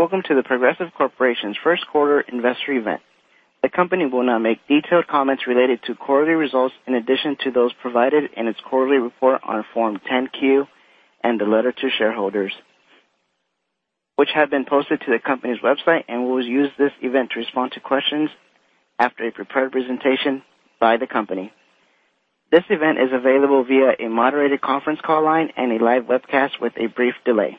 Welcome to The Progressive Corporation first quarter investor event. The company will now make detailed comments related to quarterly results in addition to those provided in its quarterly report on Form 10-Q and the letter to shareholders, which have been posted to the company's website and will use this event to respond to questions after a prepared presentation by the company. This event is available via a moderated conference call line and a live webcast with a brief delay.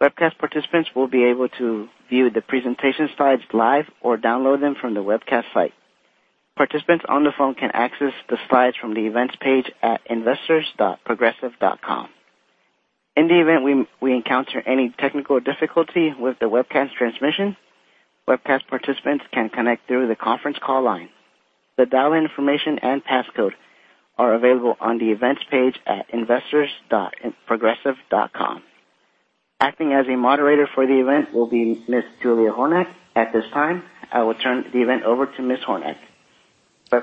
Webcast participants will be able to view the presentation slides live or download them from the webcast site. Participants on the phone can access the slides from the Events page at investors.progressive.com. In the event we encounter any technical difficulty with the webcast transmission, webcast participants can connect through the conference call line. The dial-in information and passcode are available on the Events page at investors.progressive.com. Acting as a moderator for the event will be Ms. Julia Hornick. At this time, I will turn the event over to Ms. Hornick. Go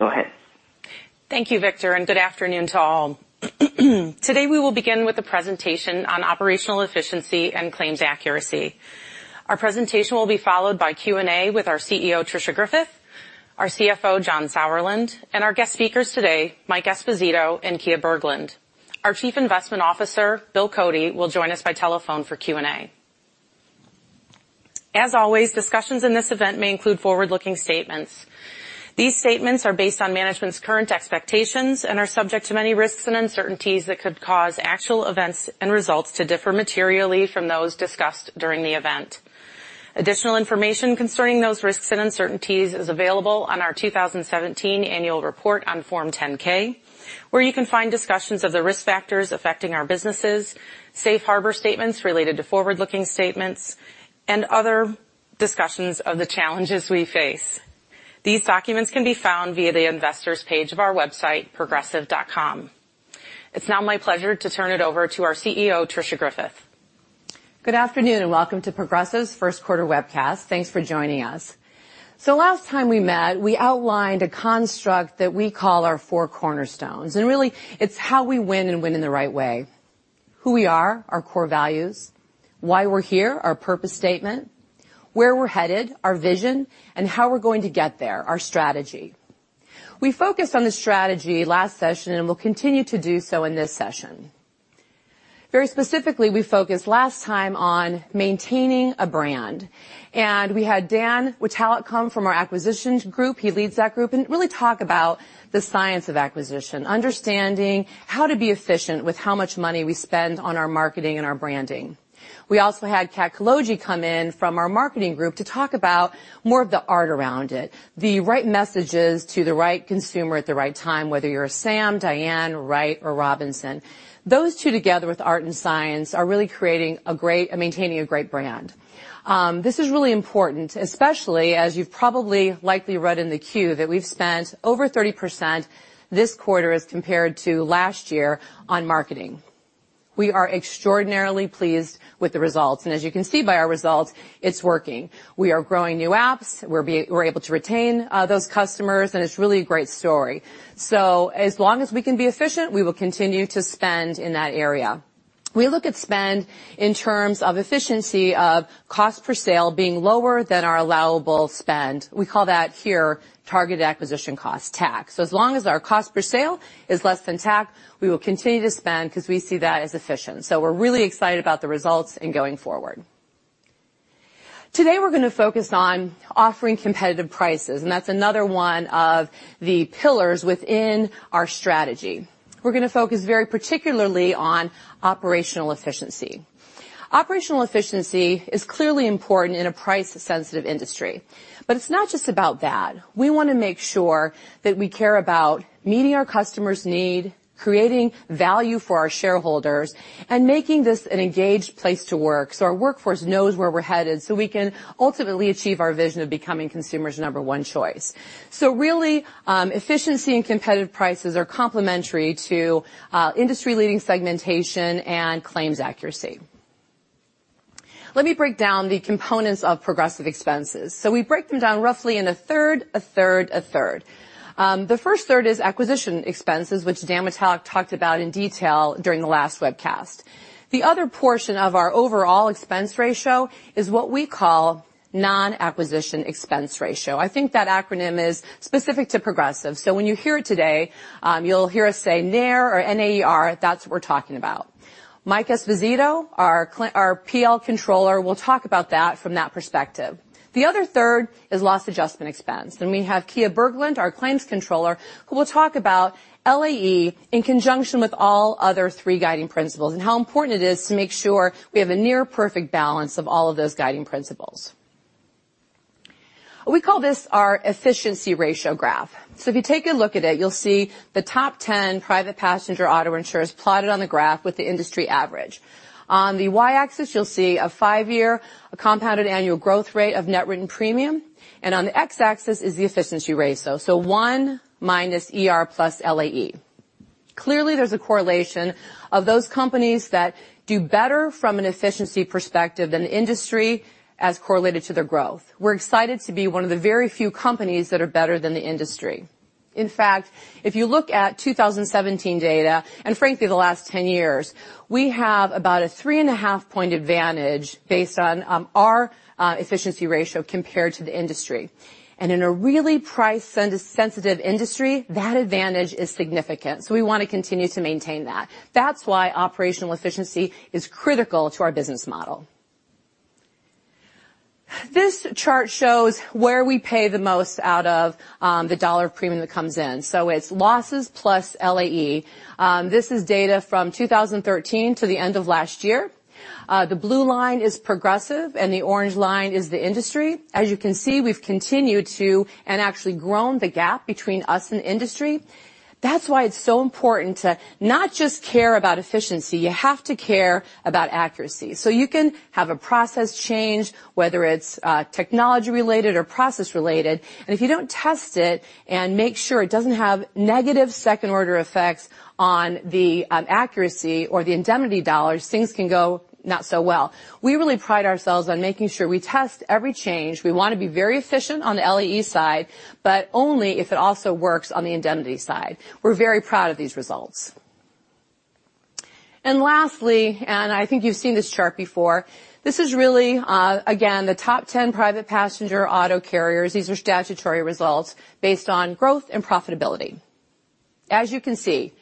ahead. Thank you, Victor, good afternoon to all. Today, we will begin with a presentation on operational efficiency and claims accuracy. Our presentation will be followed by Q&A with our CEO, Tricia Griffith, our CFO, John Sauerland, and our guest speakers today, Mike Esposito and Kia Berglund. Our Chief Investment Officer, Bill Cody, will join us by telephone for Q&A. As always, discussions in this event may include forward-looking statements. These statements are based on management's current expectations and are subject to many risks and uncertainties that could cause actual events and results to differ materially from those discussed during the event. Additional information concerning those risks and uncertainties is available on our 2017 annual report on Form 10-K, where you can find discussions of the risk factors affecting our businesses, safe harbor statements related to forward-looking statements, and other discussions of the challenges we face. These documents can be found via the investors page of our website, progressive.com. It's now my pleasure to turn it over to our CEO, Tricia Griffith. Good afternoon. Welcome to Progressive's first quarter webcast. Thanks for joining us. Last time we met, we outlined a construct that we call our four cornerstones. It's really how we win and win in the right way, who we are, our core values, why we are here, our purpose statement, where we are headed, our vision, and how we are going to get there, our strategy. We focused on the strategy last session. We will continue to do so in this session. Very specifically, we focused last time on maintaining a brand. We had Dan Witalec come from our acquisitions group, he leads that group, really talk about the science of acquisition, understanding how to be efficient with how much money we spend on our marketing and our branding. We also had Kat Kalogi come in from our marketing group to talk about more of the art around it, the right messages to the right consumer at the right time, whether you're a Sam, Diane, Wright, or Robinson. Those two together with art and science are really maintaining a great brand. This is really important, especially as you've probably likely read in the Q that we've spent over 30% this quarter as compared to last year on marketing. We are extraordinarily pleased with the results. As you can see by our results, it's working. We are growing new apps. We're able to retain those customers. It's really a great story. As long as we can be efficient, we will continue to spend in that area. We look at spend in terms of efficiency of cost per sale being lower than our allowable spend. We call that here targeted acquisition cost, TAC. As long as our cost per sale is less than TAC, we will continue to spend because we see that as efficient. We're really excited about the results in going forward. Today, we're going to focus on offering competitive prices. That's another one of the pillars within our strategy. We're going to focus very particularly on operational efficiency. Operational efficiency is clearly important in a price-sensitive industry. It's not just about that. We want to make sure that we care about meeting our customer's need, creating value for our shareholders, and making this an engaged place to work so our workforce knows where we're headed so we can ultimately achieve our vision of becoming consumers' number one choice. Really, efficiency and competitive prices are complementary to industry-leading segmentation and claims accuracy. Let me break down the components of Progressive expenses. We break them down roughly in a third, a third, a third. The first third is acquisition expenses, which Dan Witalec talked about in detail during the last webcast. The other portion of our overall expense ratio is what we call non-acquisition expense ratio. I think that acronym is specific to Progressive. When you hear it today, you'll hear us say NAER, or N-A-E-R. That's what we're talking about. Mike Esposito, our PL controller, will talk about that from that perspective. The other third is loss adjustment expense. We have Kia Berglund, our claims controller, who will talk about LAE in conjunction with all other three guiding principles and how important it is to make sure we have a near-perfect balance of all of those guiding principles. We call this our efficiency ratio graph. If you take a look at it, you'll see the top 10 private passenger auto insurers plotted on the graph with the industry average. On the Y-axis, you'll see a 5-year compounded annual growth rate of net written premium, and on the X-axis is the efficiency ratio. One minus ER plus LAE. Clearly, there's a correlation of those companies that do better from an efficiency perspective than industry as correlated to their growth. We're excited to be one of the very few companies that are better than the industry. In fact, if you look at 2017 data, and frankly, the last 10 years, we have about a 3.5 point advantage based on our efficiency ratio compared to the industry. In a really price-sensitive industry, that advantage is significant. We want to continue to maintain that. That's why operational efficiency is critical to our business model. This chart shows where we pay the most out of the $ premium that comes in. It's losses plus LAE. This is data from 2013 to the end of last year. The blue line is Progressive and the orange line is the industry. You can see, we've continued to and actually grown the gap between us and the industry. That's why it's so important to not just care about efficiency, you have to care about accuracy. You can have a process change, whether it's technology related or process related, and if you don't test it and make sure it doesn't have negative second-order effects on the accuracy or the indemnity $, things can go not so well. We really pride ourselves on making sure we test every change. We want to be very efficient on the LAE side, but only if it also works on the indemnity side. We're very proud of these results. Lastly, I think you've seen this chart before, this is really, again, the top 10 private passenger auto carriers. These are statutory results based on growth and profitability. You can see,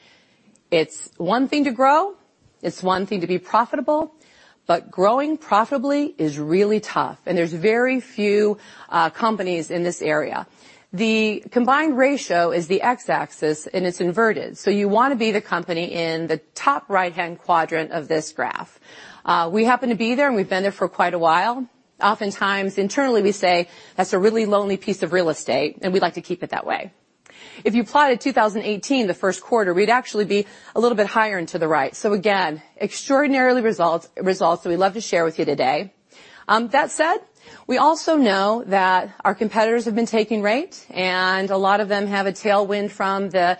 it's one thing to grow, it's one thing to be profitable, but growing profitably is really tough, and there's very few companies in this area. The combined ratio is the X-axis, and it's inverted. You want to be the company in the top right-hand quadrant of this graph. We happen to be there, and we've been there for quite a while. Oftentimes, internally, we say that's a really lonely piece of real estate, and we'd like to keep it that way. If you plotted 2018, the first quarter, we'd actually be a little bit higher and to the right. Again, extraordinary results that we'd love to share with you today. That said, we also know that our competitors have been taking rates and a lot of them have a tailwind from the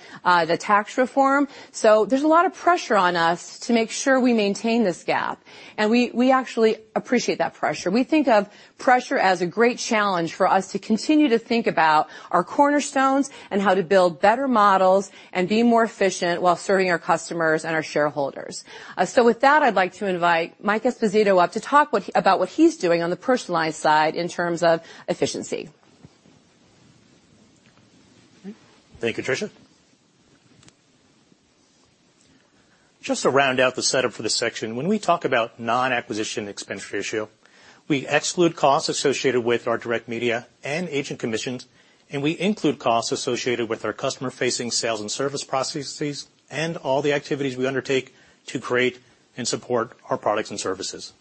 tax reform. There's a lot of pressure on us to make sure we maintain this gap, and we actually appreciate that pressure. We think of pressure as a great challenge for us to continue to think about our cornerstones and how to build better models and be more efficient while serving our customers and our shareholders. With that, I'd like to invite Mike Esposito up to talk about what he's doing on the Personal Lines side in terms of efficiency. Thank you, Tricia. Just to round out the setup for this section, when we talk about non-acquisition expense ratio, we exclude costs associated with our direct media and agent commissions. We include costs associated with our customer-facing sales and service processes and all the activities we undertake to create and support our products and services.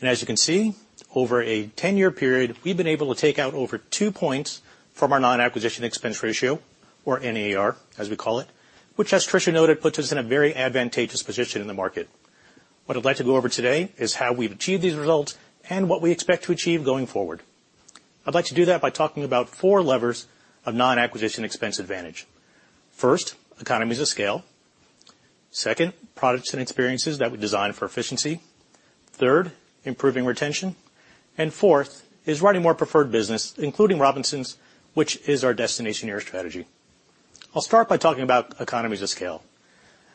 As you can see, over a 10-year period, we've been able to take out over two points from our non-acquisition expense ratio, or NAER, as we call it, which, as Tricia noted, puts us in a very advantageous position in the market. What I'd like to go over today is how we've achieved these results and what we expect to achieve going forward. I'd like to do that by talking about four levers of non-acquisition expense advantage. First, economies of scale. Second, products and experiences that we design for efficiency. Third, improving retention. Fourth is running more preferred business, including Robinsons, which is our Destination Era strategy. I'll start by talking about economies of scale.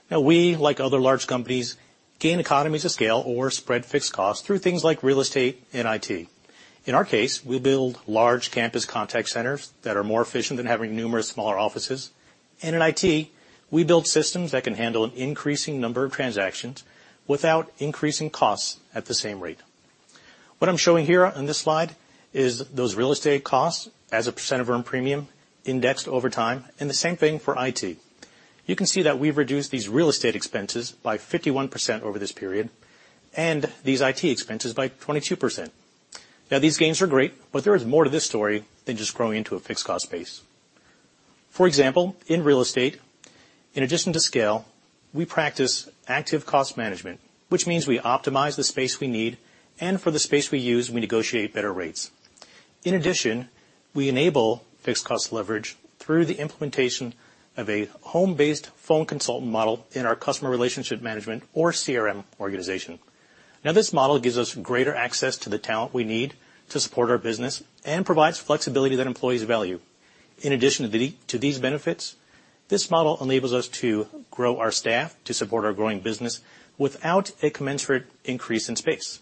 We, like other large companies, gain economies of scale or spread fixed costs through things like real estate and IT. In our case, we build large campus contact centers that are more efficient than having numerous smaller offices. In IT, we build systems that can handle an increasing number of transactions without increasing costs at the same rate. What I'm showing here on this slide is those real estate costs as a % of earned premium indexed over time, and the same thing for IT. You can see that we've reduced these real estate expenses by 51% over this period and these IT expenses by 22%. These gains are great. There is more to this story than just growing into a fixed cost base. For example, in real estate, in addition to scale, we practice active cost management, which means we optimize the space we need. For the space we use, we negotiate better rates. In addition, we enable fixed cost leverage through the implementation of a home-based phone consultant model in our customer relationship management or CRM organization. This model gives us greater access to the talent we need to support our business and provides flexibility that employees value. In addition to these benefits, this model enables us to grow our staff to support our growing business without a commensurate increase in space.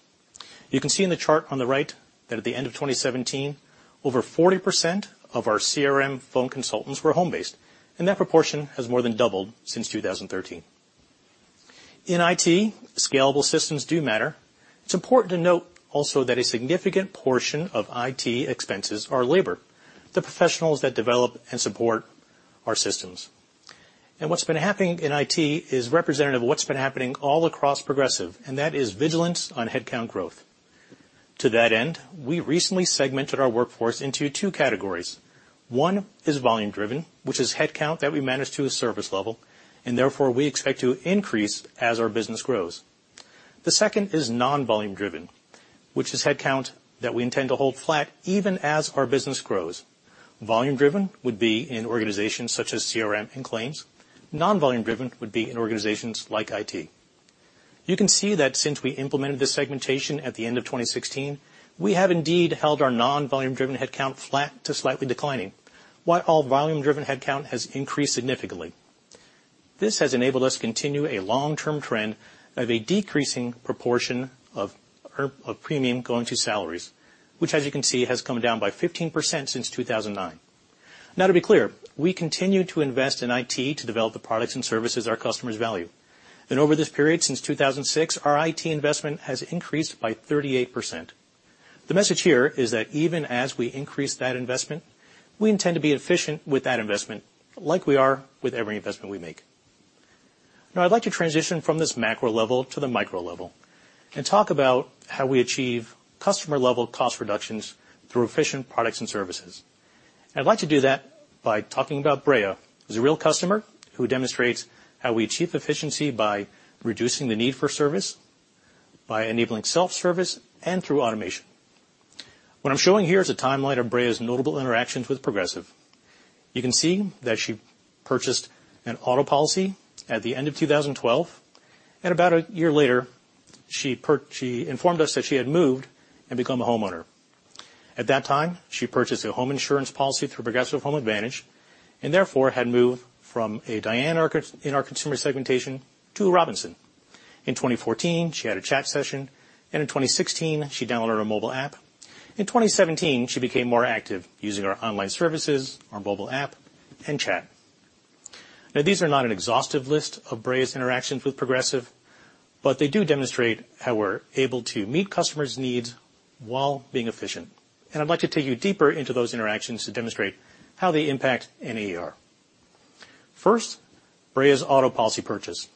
You can see in the chart on the right that at the end of 2017, over 40% of our CRM phone consultants were home-based. That proportion has more than doubled since 2013. In IT, scalable systems do matter. It's important to note also that a significant portion of IT expenses are labor, the professionals that develop and support our systems. What's been happening in IT is representative of what's been happening all across Progressive, and that is vigilance on headcount growth. To that end, we recently segmented our workforce into two categories. One is volume driven, which is headcount that we manage to a service level. Therefore, we expect to increase as our business grows. The second is non-volume driven, which is headcount that we intend to hold flat even as our business grows. Volume driven would be in organizations such as CRM and claims. Non-volume driven would be in organizations like IT. You can see that since we implemented this segmentation at the end of 2016, we have indeed held our non-volume driven headcount flat to slightly declining, while volume driven headcount has increased significantly. This has enabled us continue a long-term trend of a decreasing proportion of premium going to salaries, which as you can see, has come down by 15% since 2009. To be clear, we continue to invest in IT to develop the products and services our customers value. Over this period, since 2006, our IT investment has increased by 38%. The message here is that even as we increase that investment, we intend to be efficient with that investment, like we are with every investment we make. I'd like to transition from this macro level to the micro level and talk about how we achieve customer-level cost reductions through efficient products and services. I'd like to do that by talking about Brea, who's a real customer who demonstrates how we achieve efficiency by reducing the need for service, by enabling self-service, and through automation. What I'm showing here is a timeline of Brea's notable interactions with Progressive. You can see that she purchased an auto policy at the end of 2012, and about a year later, she informed us that she had moved and become a homeowner. At that time, she purchased a home insurance policy through Progressive Home Advantage, and therefore had moved from a Diane in our consumer segmentation to a Robinson. In 2014, she had a chat session, and in 2016, she downloaded our mobile app. In 2017, she became more active using our online services, our mobile app, and chat. These are not an exhaustive list of Brea's interactions with Progressive, but they do demonstrate how we're able to meet customers' needs while being efficient. I'd like to take you deeper into those interactions to demonstrate how they impact NER. First, Brea's auto policy purchase.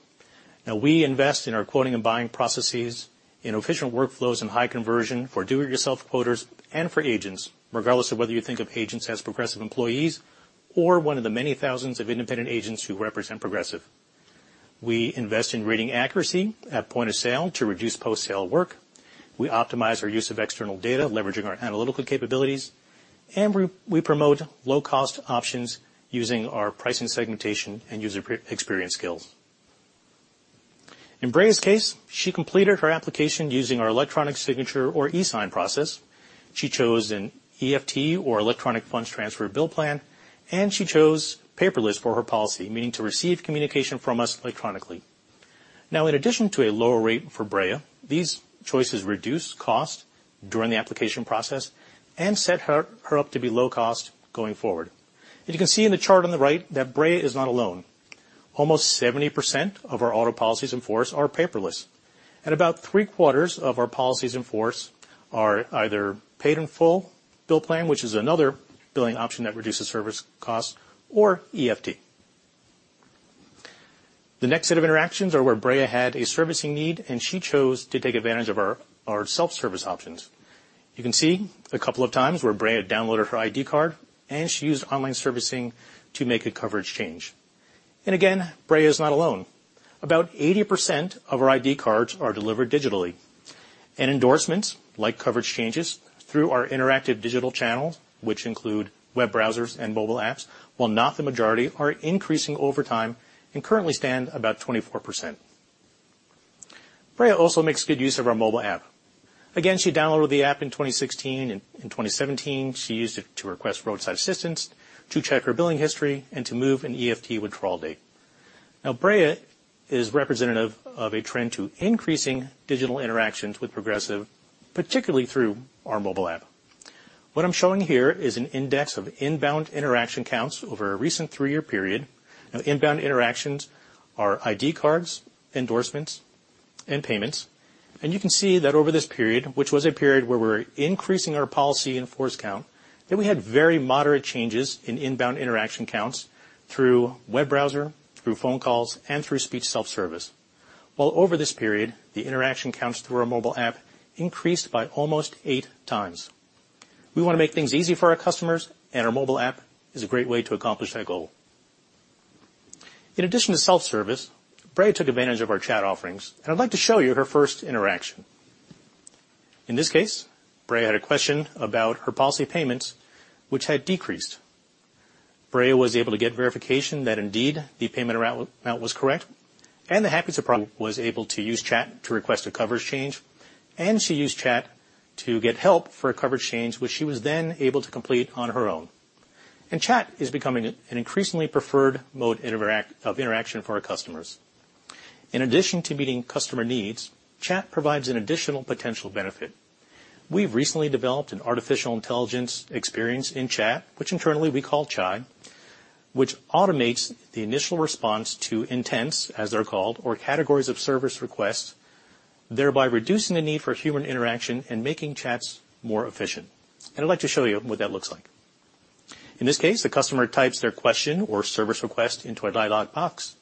We invest in our quoting and buying processes in efficient workflows and high conversion for do-it-yourself quoters and for agents, regardless of whether you think of agents as Progressive employees or one of the many thousands of independent agents who represent Progressive. We invest in reading accuracy at point of sale to reduce post-sale work. We optimize our use of external data, leveraging our analytical capabilities. We promote low-cost options using our pricing segmentation and user experience skills. In Brea's case, she completed her application using our electronic signature or e-sign process. She chose an EFT or electronic funds transfer bill plan, and she chose paperless for her policy, meaning to receive communication from us electronically. In addition to a lower rate for Brea, these choices reduce cost during the application process and set her up to be low cost going forward. You can see in the chart on the right that Brea is not alone. Almost 70% of our auto policies in force are paperless. About three-quarters of our policies in force are either paid in full bill plan, which is another billing option that reduces service cost, or EFT. The next set of interactions are where Brea had a servicing need, and she chose to take advantage of our self-service options. You can see a couple of times where Brea downloaded her ID card, and she used online servicing to make a coverage change. Brea is not alone. About 80% of our ID cards are delivered digitally. Endorsements, like coverage changes through our interactive digital channels, which include web browsers and mobile apps, while not the majority, are increasing over time and currently stand about 24%. Brea also makes good use of our mobile app. She downloaded the app in 2016. In 2017, she used it to request roadside assistance, to check her billing history, and to move an EFT withdrawal date. Brea is representative of a trend to increasing digital interactions with Progressive, particularly through our mobile app. What I'm showing here is an index of inbound interaction counts over a recent three-year period. Inbound interactions are ID cards, endorsements, and payments. You can see that over this period, which was a period where we're increasing our policy in force count, that we had very moderate changes in inbound interaction counts through web browser, through phone calls, and through speech self-service. While over this period, the interaction counts through our mobile app increased by almost eight times. We want to make things easy for our customers, and our mobile app is a great way to accomplish that goal. In addition to self-service, Brea took advantage of our chat offerings. I'd like to show you her first interaction. In this case, Brea had a question about her policy payments, which had decreased. Brea was able to get verification that indeed the payment amount was correct. The happy surprise was able to use chat to request a coverage change. She used chat to get help for a coverage change, which she was then able to complete on her own. Chat is becoming an increasingly preferred mode of interaction for our customers. In addition to meeting customer needs, chat provides an additional potential benefit. We've recently developed an artificial intelligence experience in chat, which internally we call Chai, which automates the initial response to intents, as they're called, or categories of service requests, thereby reducing the need for human interaction and making chats more efficient. I'd like to show you what that looks like. In this case, the customer types their question or service request into a dialog box.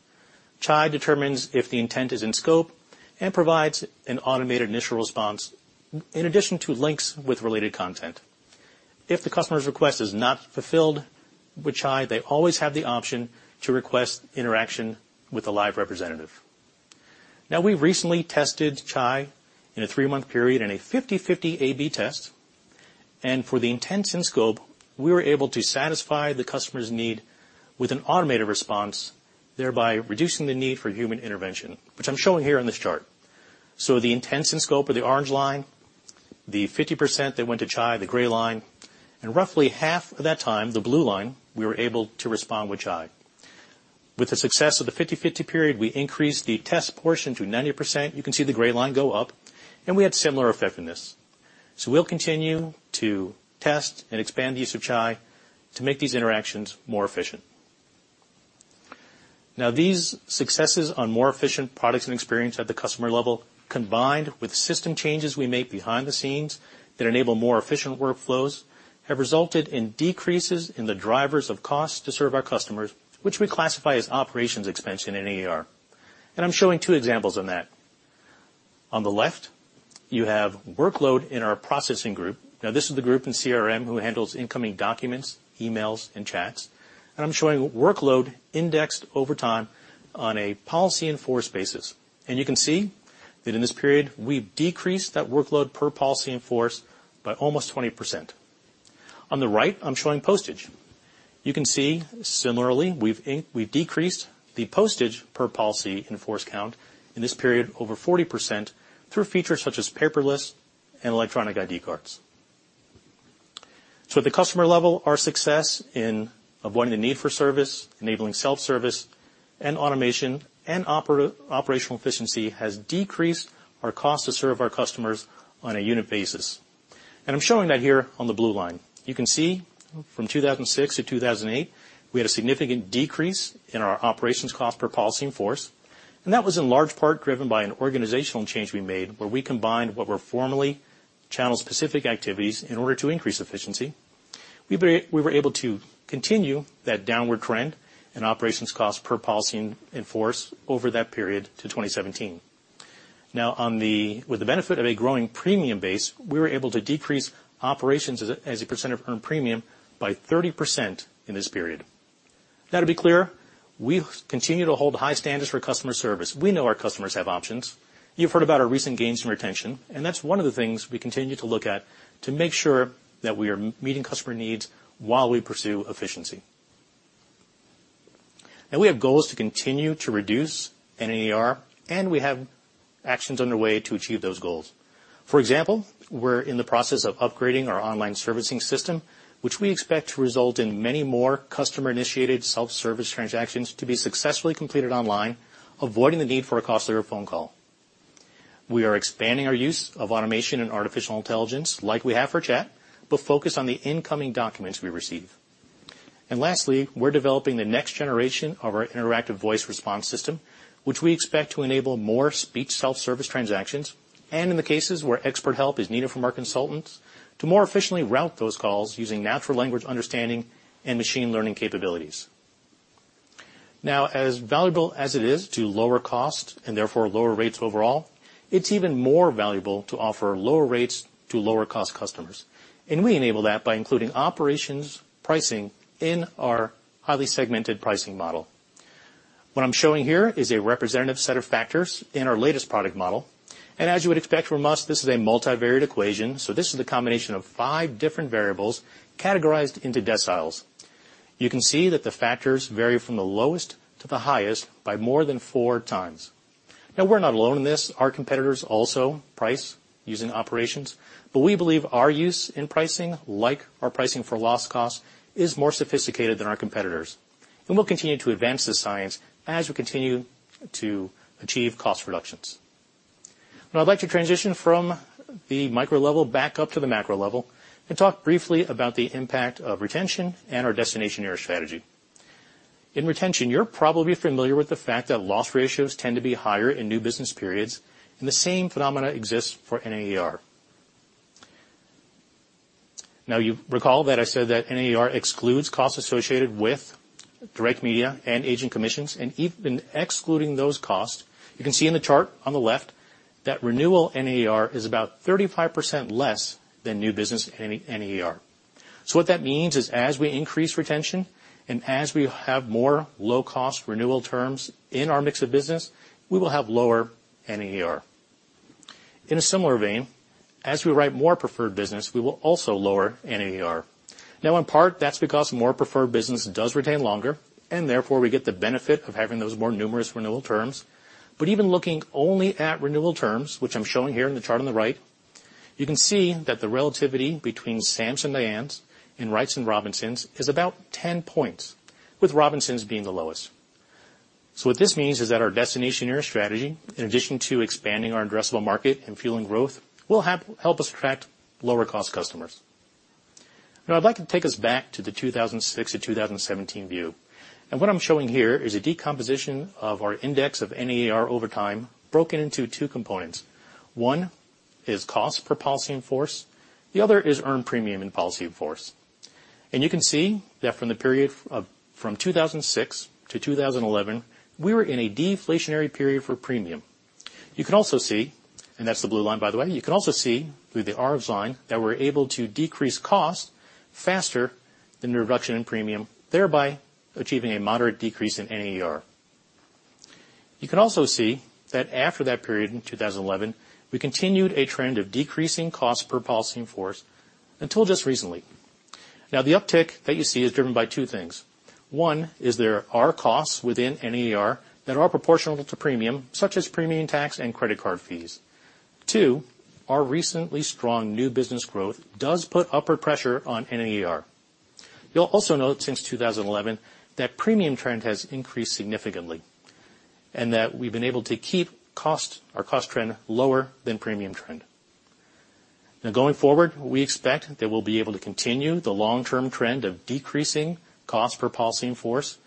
Chai determines if the intent is in scope and provides an automated initial response in addition to links with related content. If the customer's request is not fulfilled with Chai, they always have the option to request interaction with a live representative. We recently tested Chai in a three-month period in a 50/50 A/B test. For the intents and scope, we were able to satisfy the customer's need with an automated response, thereby reducing the need for human intervention, which I'm showing here in this chart. The intents and scope are the orange line, the 50% that went to Chai, the gray line. Roughly half of that time, the blue line, we were able to respond with Chai. With the success of the 50/50 period, we increased the test portion to 90%. You can see the gray line go up. We had similar effectiveness. We'll continue to test and expand the use of Chai to make these interactions more efficient. These successes on more efficient products and experience at the customer level, combined with system changes we make behind the scenes that enable more efficient workflows, have resulted in decreases in the drivers of cost to serve our customers, which we classify as operations expense in NAER. I'm showing two examples on that. On the left, you have workload in our processing group. This is the group in CRM who handles incoming documents, emails, and chats. I'm showing workload indexed over time on a policy in force basis. You can see that in this period, we've decreased that workload per policy in force by almost 20%. On the right, I'm showing postage. You can see similarly, we've decreased the postage per policy in force count in this period over 40% through features such as paperless and electronic ID cards. At the customer level, our success in avoiding the need for service, enabling self-service and automation and operational efficiency has decreased our cost to serve our customers on a unit basis. I'm showing that here on the blue line. You can see from 2006 to 2008, we had a significant decrease in our operations cost per policy in force, and that was in large part driven by an organizational change we made where we combined what were formerly channel-specific activities in order to increase efficiency. We were able to continue that downward trend in operations cost per policy in force over that period to 2017. With the benefit of a growing premium base, we were able to decrease operations as a percent of earned premium by 30% in this period. To be clear, we continue to hold high standards for customer service. We know our customers have options. You've heard about our recent gains in retention, and that's one of the things we continue to look at to make sure that we are meeting customer needs while we pursue efficiency. We have goals to continue to reduce NAER, and we have actions underway to achieve those goals. For example, we're in the process of upgrading our online servicing system, which we expect to result in many more customer-initiated self-service transactions to be successfully completed online, avoiding the need for a costlier phone call. We are expanding our use of automation and artificial intelligence, like we have for chat, but focused on the incoming documents we receive. Lastly, we're developing the next generation of our interactive voice response system, which we expect to enable more speech self-service transactions, and in the cases where expert help is needed from our consultants, to more efficiently route those calls using natural language understanding and machine learning capabilities. As valuable as it is to lower cost and therefore lower rates overall, it's even more valuable to offer lower rates to lower cost customers. We enable that by including operations pricing in our highly segmented pricing model. What I'm showing here is a representative set of factors in our latest product model. As you would expect from us, this is a multivariate equation, so this is a combination of five different variables categorized into deciles. You can see that the factors vary from the lowest to the highest by more than four times. We're not alone in this. Our competitors also price using operations. We believe our use in pricing, like our pricing for loss cost, is more sophisticated than our competitors. We'll continue to advance the science as we continue to achieve cost reductions. I'd like to transition from the micro level back up to the macro level and talk briefly about the impact of retention and our Destination Era strategy. In retention, you're probably familiar with the fact that loss ratios tend to be higher in new business periods, and the same phenomena exists for NAER. You recall that I said that NAER excludes costs associated with direct media and agent commissions, and even excluding those costs, you can see in the chart on the left that renewal NAER is about 35% less than new business NAER. What that means is as we increase retention and as we have more low-cost renewal terms in our mix of business, we will have lower NAER. In a similar vein, as we write more preferred business, we will also lower NAER. In part, that's because more preferred business does retain longer, and therefore, we get the benefit of having those more numerous renewal terms. Even looking only at renewal terms, which I'm showing here in the chart on the right, you can see that the relativity between Sams and Dianes and Wrights and Robinsons is about 10 points, with Robinsons being the lowest. What this means is that our Destination Era strategy, in addition to expanding our addressable market and fueling growth, will help us attract lower cost customers. I'd like to take us back to the 2006 to 2017 view. What I'm showing here is a decomposition of our index of NAER over time, broken into 2 components. One is cost per policy in force, the other is earned premium in policy in force. You can see that from the period from 2006 to 2011, we were in a deflationary period for premium. You can also see, and that's the blue line, by the way, you can also see through the RFZ that we're able to decrease cost faster than the reduction in premium, thereby achieving a moderate decrease in NAER. You can also see that after that period in 2011, we continued a trend of decreasing cost per policy in force until just recently. The uptick that you see is driven by 2 things. One is there are costs within NAER that are proportional to premium, such as premium tax and credit card fees. Two, our recently strong new business growth does put upward pressure on NAER. You'll also note since 2011 that premium trend has increased significantly and that we've been able to keep our cost trend lower than premium trend. Going forward, we expect that we'll be able to continue the long-term trend of decreasing cost per policy in force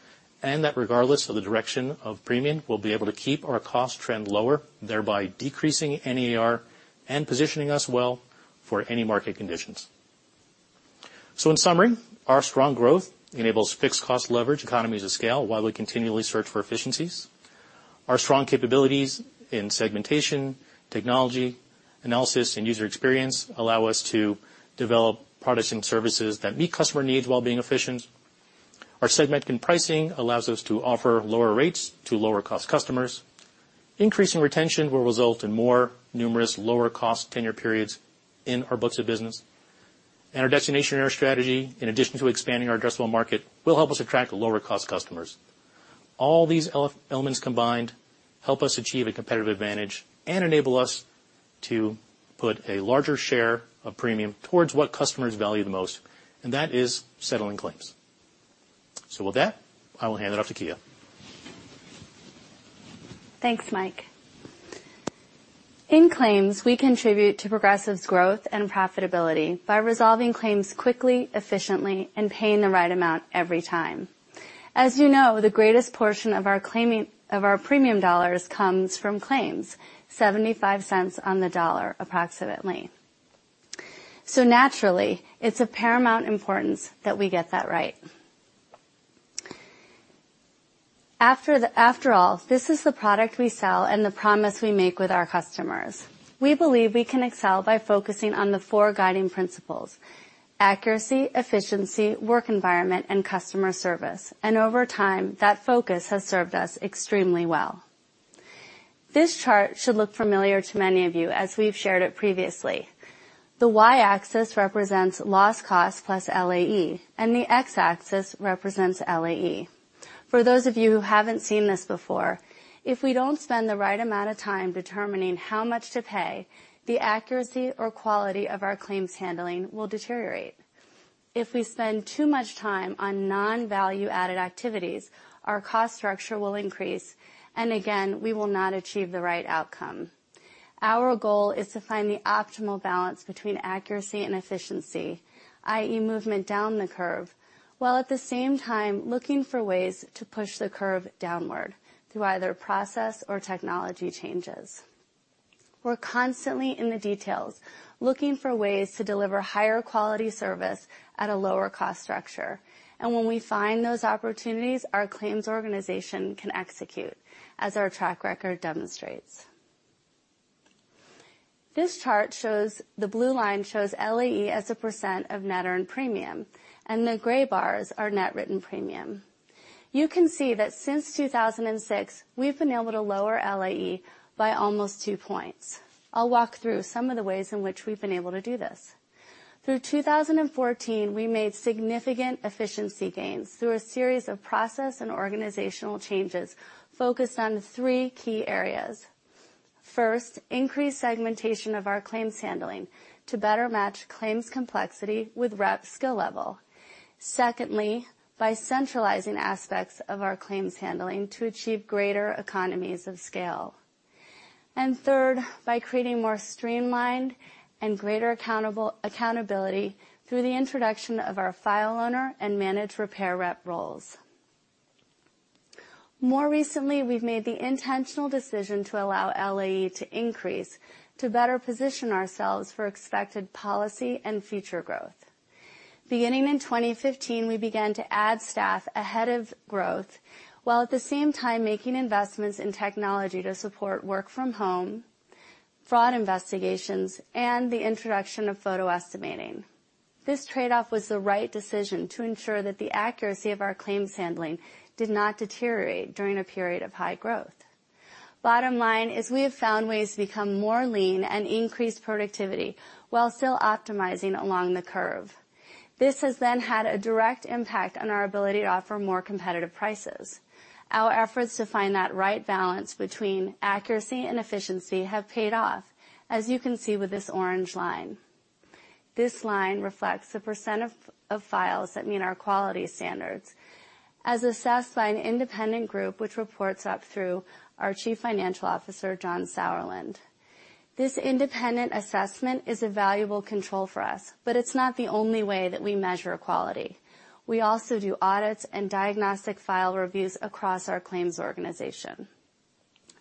and that regardless of the direction of premium, we'll be able to keep our cost trend lower, thereby decreasing NAER and positioning us well for any market conditions. In summary, our strong growth enables fixed cost leverage economies of scale while we continually search for efficiencies. Our strong capabilities in segmentation, technology, analysis, and user experience allow us to develop products and services that meet customer needs while being efficient. Our segmented pricing allows us to offer lower rates to lower cost customers. Increasing retention will result in more numerous lower cost tenure periods in our books of business. Our Destination Era strategy, in addition to expanding our addressable market, will help us attract lower cost customers. All these elements combined help us achieve a competitive advantage and enable us to put a larger share of premium towards what customers value the most, and that is settling claims. With that, I will hand it off to Kia. Thanks, Mike. In claims, we contribute to Progressive's growth and profitability by resolving claims quickly, efficiently, and paying the right amount every time. As you know, the greatest portion of our premium dollars comes from claims, $0.75 on the dollar approximately. Naturally, it's of paramount importance that we get that right. After all, this is the product we sell and the promise we make with our customers. We believe we can excel by focusing on the four guiding principles, accuracy, efficiency, work environment, and customer service, and over time, that focus has served us extremely well. This chart should look familiar to many of you, as we've shared it previously. The Y-axis represents loss cost plus LAE, and the X-axis represents LAE. For those of you who haven't seen this before, if we don't spend the right amount of time determining how much to pay, the accuracy or quality of our claims handling will deteriorate. If we spend too much time on non-value-added activities, our cost structure will increase, and again, we will not achieve the right outcome. Our goal is to find the optimal balance between accuracy and efficiency, i.e. movement down the curve, while at the same time looking for ways to push the curve downward through either process or technology changes. We're constantly in the details, looking for ways to deliver higher quality service at a lower cost structure. When we find those opportunities, our claims organization can execute, as our track record demonstrates. This chart shows the blue line shows LAE as a % of net earned premium, and the gray bars are net written premium. You can see that since 2006, we've been able to lower LAE by almost two points. I'll walk through some of the ways in which we've been able to do this. Through 2014, we made significant efficiency gains through a series of process and organizational changes focused on three key areas. First, increased segmentation of our claims handling to better match claims complexity with rep skill level. Secondly, by centralizing aspects of our claims handling to achieve greater economies of scale. Third, by creating more streamlined and greater accountability through the introduction of our file owner and managed repair rep roles. More recently, we've made the intentional decision to allow LAE to increase to better position ourselves for expected policy and future growth. Beginning in 2015, we began to add staff ahead of growth, while at the same time making investments in technology to support work from home, fraud investigations, and the introduction of photo estimating. This trade-off was the right decision to ensure that the accuracy of our claims handling did not deteriorate during a period of high growth. Bottom line is we have found ways to become more lean and increase productivity while still optimizing along the curve. This has then had a direct impact on our ability to offer more competitive prices. Our efforts to find that right balance between accuracy and efficiency have paid off, as you can see with this orange line. This line reflects the % of files that meet our quality standards, as assessed by an independent group which reports up through our Chief Financial Officer, John Sauerland. This independent assessment is a valuable control for us, but it's not the only way that we measure quality. We also do audits and diagnostic file reviews across our claims organization.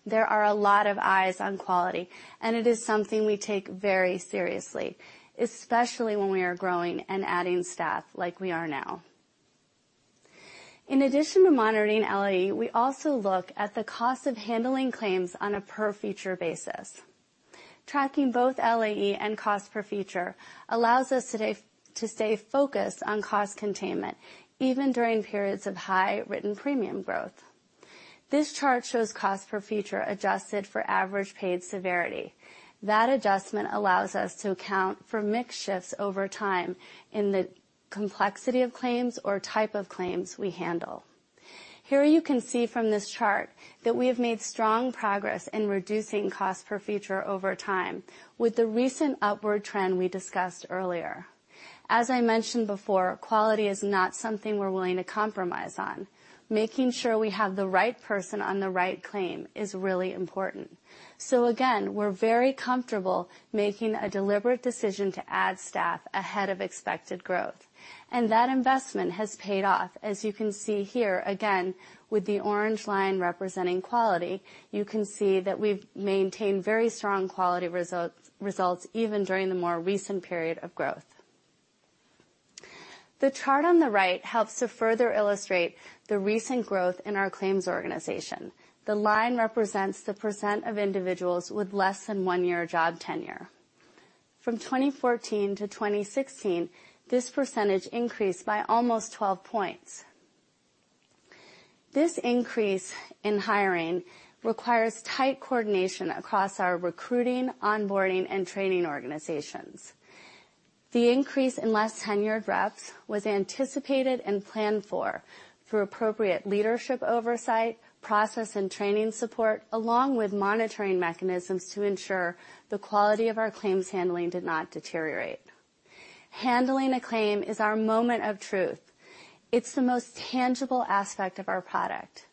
There are a lot of eyes on quality, and it is something we take very seriously, especially when we are growing and adding staff like we are now. In addition to monitoring LAE, we also look at the cost of handling claims on a per feature basis. Tracking both LAE and cost per feature allows us to stay focused on cost containment even during periods of high written premium growth. This chart shows cost per feature adjusted for average paid severity. That adjustment allows us to account for mix shifts over time in the complexity of claims or type of claims we handle. Here, you can see from this chart that we have made strong progress in reducing cost per feature over time, with the recent upward trend we discussed earlier. As I mentioned before, quality is not something we're willing to compromise on. Making sure we have the right person on the right claim is really important. Again, we're very comfortable making a deliberate decision to add staff ahead of expected growth, and that investment has paid off. As you can see here, again, with the orange line representing quality, you can see that we've maintained very strong quality results even during the more recent period of growth. The chart on the right helps to further illustrate the recent growth in our claims organization. The line represents the % of individuals with less than one year job tenure. From 2014 to 2016, this percentage increased by almost 12 points. This increase in hiring requires tight coordination across our recruiting, onboarding, and training organizations. The increase in less tenured reps was anticipated and planned for, through appropriate leadership oversight, process and training support, along with monitoring mechanisms to ensure the quality of our claims handling did not deteriorate. Handling a claim is our moment of truth. It's the most tangible aspect of our product.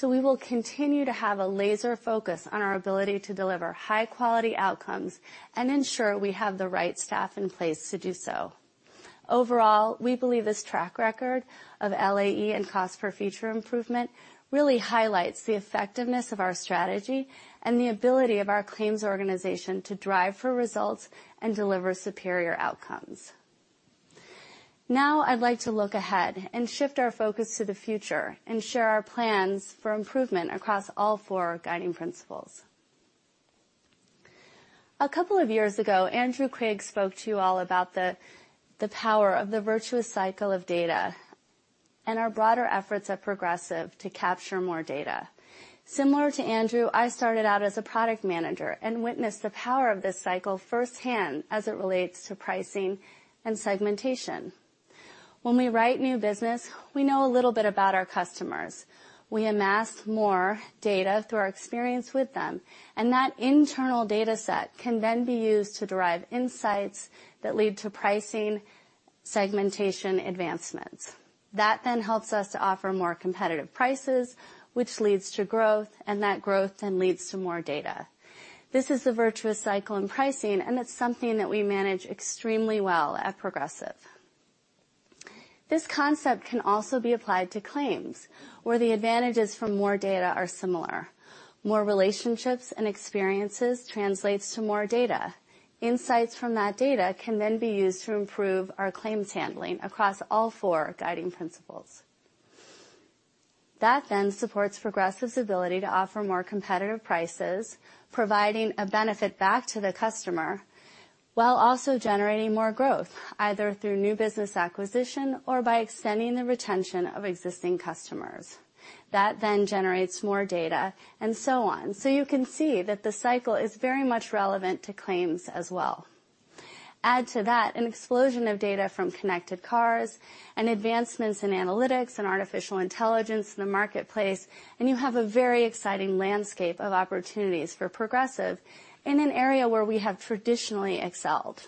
We will continue to have a laser focus on our ability to deliver high-quality outcomes and ensure we have the right staff in place to do so. Overall, we believe this track record of LAE and cost per feature improvement really highlights the effectiveness of our strategy and the ability of our claims organization to drive for results and deliver superior outcomes. Now, I'd like to look ahead and shift our focus to the future and share our plans for improvement across all four guiding principles. A couple of years ago, Andrew Quigg spoke to you all about the power of the virtuous cycle of data and our broader efforts at The Progressive Corporation to capture more data. Similar to Andrew, I started out as a product manager and witnessed the power of this cycle firsthand as it relates to pricing and segmentation. When we write new business, we know a little bit about our customers. We amass more data through our experience with them. That internal data set can then be used to derive insights that lead to pricing segmentation advancements. That then helps us to offer more competitive prices, which leads to growth. That growth then leads to more data. This is the virtuous cycle in pricing. It's something that we manage extremely well at The Progressive Corporation. This concept can also be applied to claims, where the advantages from more data are similar. More relationships and experiences translates to more data. Insights from that data can then be used to improve our claims handling across all four guiding principles. That then supports The Progressive Corporation's ability to offer more competitive prices, providing a benefit back to the customer, while also generating more growth, either through new business acquisition or by extending the retention of existing customers. That then generates more data and so on. You can see that the cycle is very much relevant to claims as well. Add to that an explosion of data from connected cars and advancements in analytics and artificial intelligence in the marketplace. You have a very exciting landscape of opportunities for The Progressive Corporation in an area where we have traditionally excelled.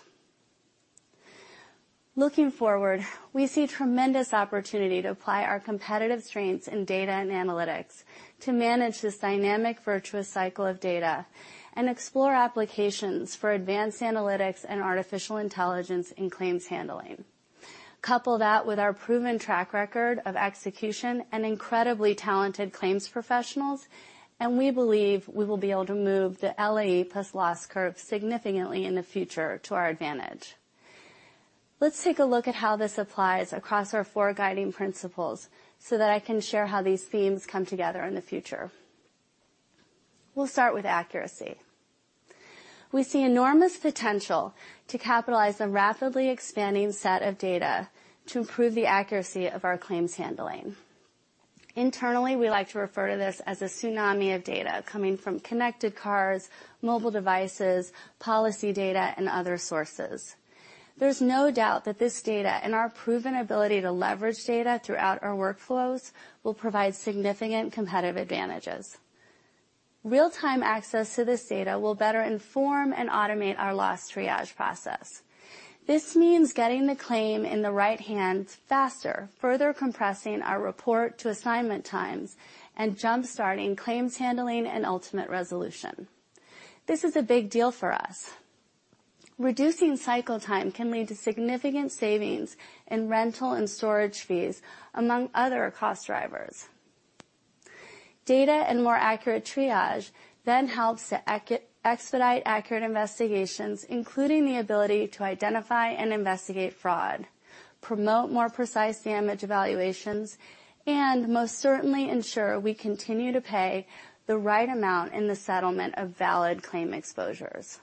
Looking forward, we see tremendous opportunity to apply our competitive strengths in data and analytics to manage this dynamic virtuous cycle of data and explore applications for advanced analytics and artificial intelligence in claims handling. Couple that with our proven track record of execution and incredibly talented claims professionals. We believe we will be able to move the LAE plus loss curve significantly in the future to our advantage. Let's take a look at how this applies across our four guiding principles so that I can share how these themes come together in the future. We'll start with accuracy. We see enormous potential to capitalize the rapidly expanding set of data to improve the accuracy of our claims handling. Internally, we like to refer to this as a tsunami of data coming from connected cars, mobile devices, policy data, and other sources. There's no doubt that this data and our proven ability to leverage data throughout our workflows will provide significant competitive advantages. Real-time access to this data will better inform and automate our loss triage process. This means getting the claim in the right hands faster, further compressing our report to assignment times, and jumpstarting claims handling and ultimate resolution. This is a big deal for us. Reducing cycle time can lead to significant savings in rental and storage fees, among other cost drivers. Data and more accurate triage then helps to expedite accurate investigations, including the ability to identify and investigate fraud, promote more precise damage evaluations, and most certainly ensure we continue to pay the right amount in the settlement of valid claim exposures.